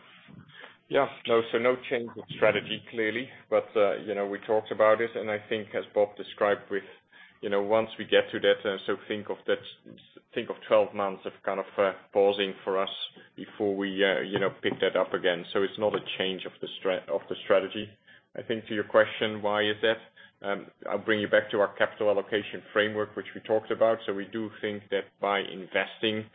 Yeah. No, no change of strategy, clearly. You know, we talked about it, and I think as Bob described, with, you know, once we get through that, so think of that, think of 12 months of kind of, pausing for us before we, you know, pick that up again. It's not a change of the strategy. I think to your question, why is that? I'll bring you back to our capital allocation framework, which we talked about. We do think that by investing,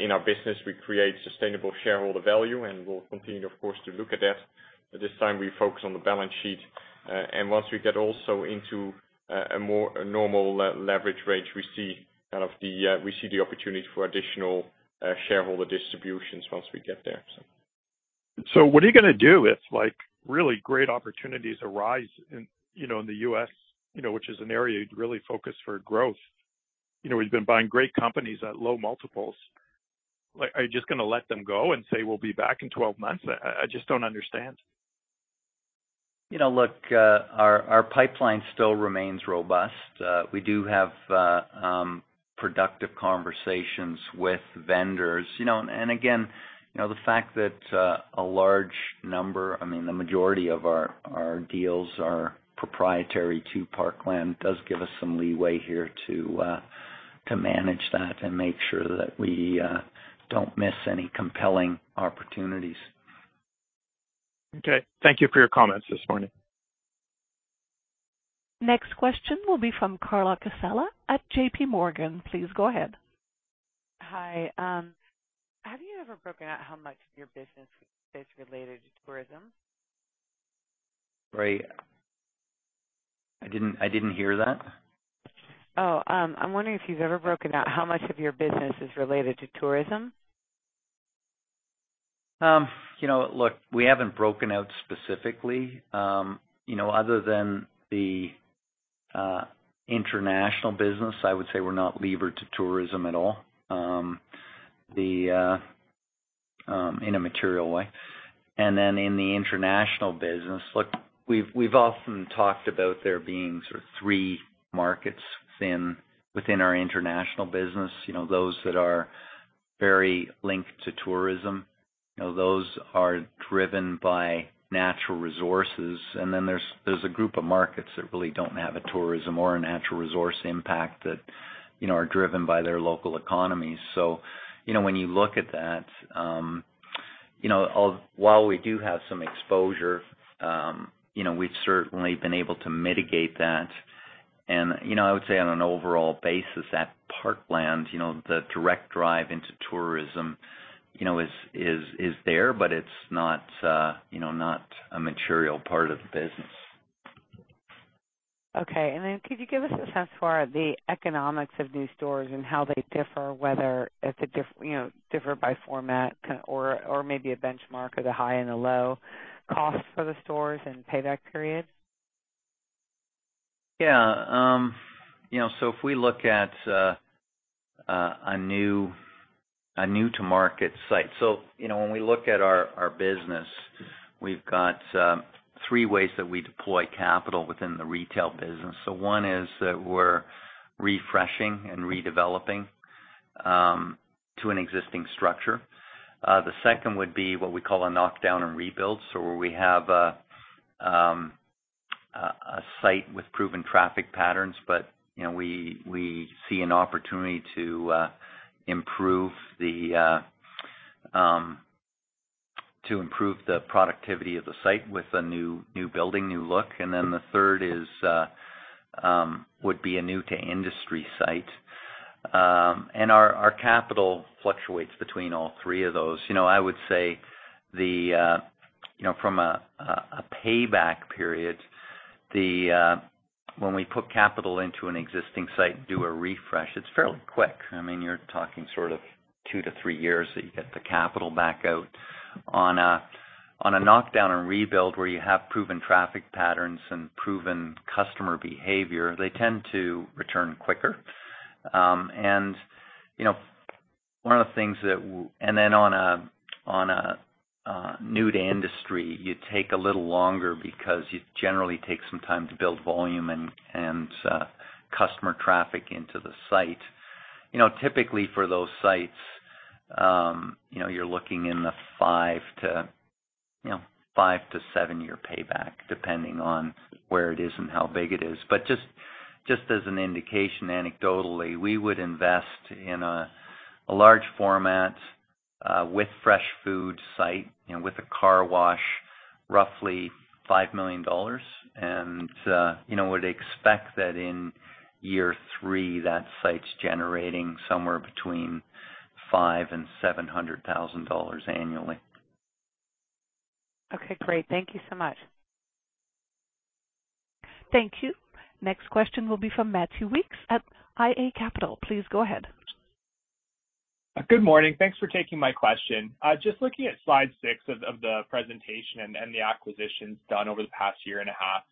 in our business, we create sustainable shareholder value, and we'll continue of course, to look at that. This time we focus on the balance sheet. Once we get also into a more normal leverage ratio, we see the opportunity for additional shareholder distributions once we get there, so. What are you gonna do if, like, really great opportunities arise in, you know, in the U.S., you know, which is an area you'd really focus for growth? You know, we've been buying great companies at low multiples. Like, are you just gonna let them go and say, "We'll be back in 12 months"? I just don't understand. You know, look, our pipeline still remains robust. We do have productive conversations with vendors, you know. Again, you know, the fact that a large number, I mean, the majority of our deals are proprietary to Parkland, does give us some leeway here to manage that and make sure that we don't miss any compelling opportunities. Okay. Thank you for your comments this morning. Next question will be from Carla Casella at J.P. Morgan. Please go ahead. Hi. Have you ever broken out how much of your business is related to tourism? Sorry, I didn't hear that. I'm wondering if you've ever broken out how much of your business is related to tourism. You know, look, we haven't broken out specifically. You know, other than the international business, I would say we're not levered to tourism at all, in a material way. Then in the international business, look, we've often talked about there being sort of three markets within our international business, you know, those that are very linked to tourism. You know, those are driven by natural resources. Then there's a group of markets that really don't have a tourism or a natural resource impact that, you know, are driven by their local economies. You know, when you look at that, you know, while we do have some exposure, you know, we've certainly been able to mitigate that. You know, I would say on an overall basis, at Parkland, you know, the direct drive into tourism, you know, is there, but it's not a material part of the business. Okay. Could you give us a sense for the economics of new stores and how they differ, whether if they differ by format or maybe a benchmark at a high and a low cost for the stores and payback period? You know, if we look at a new-to-market site. You know, when we look at our business, we've got three ways that we deploy capital within the retail business. One is that we're refreshing and redeveloping to an existing structure. The second would be what we call a knock down and rebuild. Where we have a site with proven traffic patterns, but you know, we see an opportunity to improve the productivity of the site with a new building, new look. The third would be a new to industry site. Our capital fluctuates between all three of those. You know, I would say, you know, from a payback period, when we put capital into an existing site, do a refresh, it's fairly quick. I mean, you're talking sort of 2-3 years that you get the capital back out. On a knock down and rebuild, where you have proven traffic patterns and proven customer behavior, they tend to return quicker. You know, on a new to industry, you take a little longer because you generally take some time to build volume and customer traffic into the site. You know, typically for those sites, you know, you're looking in the 5-7-year payback, depending on where it is and how big it is. Just as an indication, anecdotally, we would invest in a large format with fresh food site, you know, with a car wash, roughly 5 million dollars. You know, would expect that in year 3, that site's generating somewhere between 500,000 and 700,000 dollars annually. Okay, great. Thank you so much. Thank you. Next question will be from Matthew Weekes at iA Capital Markets. Please go ahead. Good morning. Thanks for taking my question. Just looking at slide six of the presentation and the acquisitions done over the past year and a half,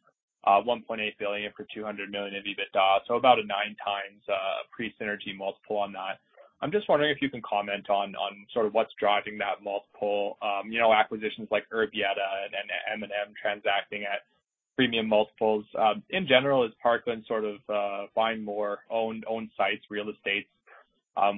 1.8 billion for 200 million of EBITDA, so about a 9x pre-synergy multiple on that. I'm just wondering if you can comment on sort of what's driving that multiple. You know, acquisitions like Urbieta and M&M transacting at premium multiples. In general, is Parkland sort of buying more owned sites, real estates,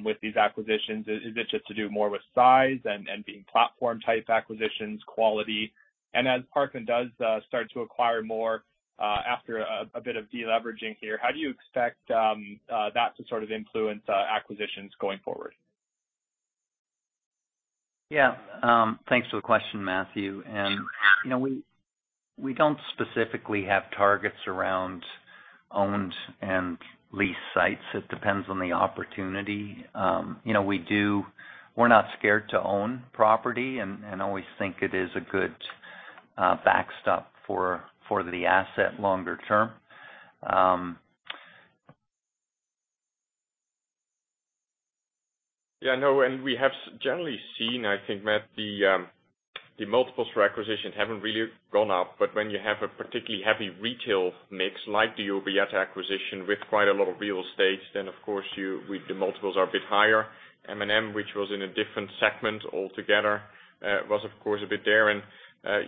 with these acquisitions? Is it just to do more with size and being platform-type acquisitions, quality? As Parkland does start to acquire more after a bit of deleveraging here, how do you expect that to sort of influence acquisitions going forward? Thanks for the question, Matthew. You know, we don't specifically have targets around owned and leased sites. It depends on the opportunity. You know, we're not scared to own property and always think it is a good backstop for the asset longer term. Yeah, I know. We have generally seen, I think, Matt, the multiples for acquisitions haven't really gone up. When you have a particularly heavy retail mix like the Urbieta acquisition with quite a lot of real estate, then of course the multiples are a bit higher. M&M, which was in a different segment altogether, was of course a bit higher.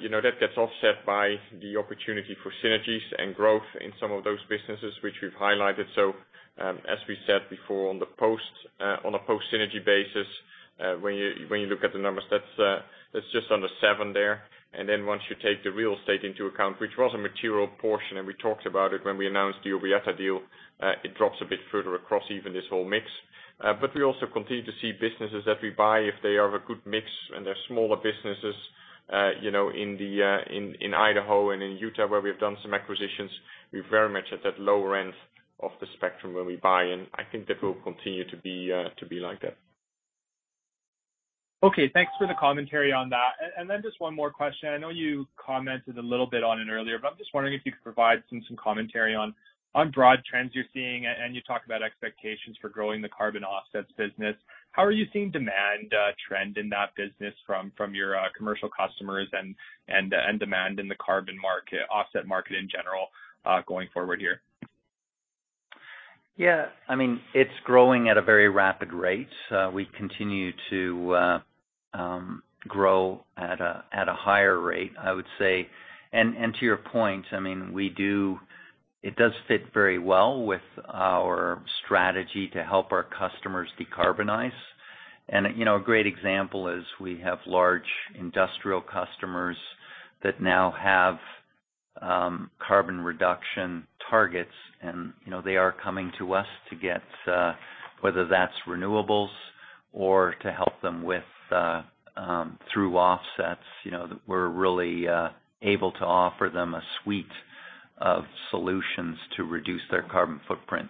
You know, that gets offset by the opportunity for synergies and growth in some of those businesses which we've highlighted. As we said before on the post, on a post-synergy basis, when you look at the numbers, that's just under seven there. Once you take the real estate into account, which was a material portion, and we talked about it when we announced the Urbieta deal, it drops a bit further across even this whole mix. We also continue to see businesses that we buy if they are a good mix and they're smaller businesses, you know, in Idaho and in Utah where we have done some acquisitions. We're very much at that lower end of the spectrum when we buy, and I think that will continue to be like that. Okay, thanks for the commentary on that. Just one more question. I know you commented a little bit on it earlier, but I'm just wondering if you could provide some commentary on broad trends you're seeing, and you talked about expectations for growing the carbon offsets business. How are you seeing demand trend in that business from your commercial customers and demand in the carbon offset market in general going forward here? Yeah, I mean, it's growing at a very rapid rate. We continue to grow at a higher rate, I would say. To your point, I mean, it does fit very well with our strategy to help our customers decarbonize. You know, a great example is we have large industrial customers that now have carbon reduction targets and, you know, they are coming to us to get whether that's renewables or to help them with through offsets. You know, we're really able to offer them a suite of solutions to reduce their carbon footprint.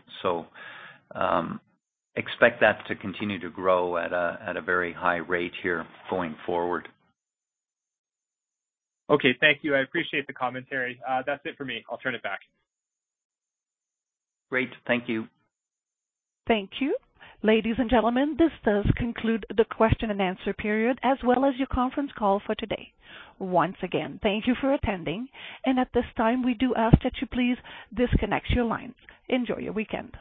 Expect that to continue to grow at a very high rate here going forward. Okay, thank you. I appreciate the commentary. That's it for me. I'll turn it back. Great. Thank you. Thank you. Ladies and gentlemen, this does conclude the question and answer period as well as your conference call for today. Once again, thank you for attending, and at this time, we do ask that you please disconnect your line. Enjoy your weekend.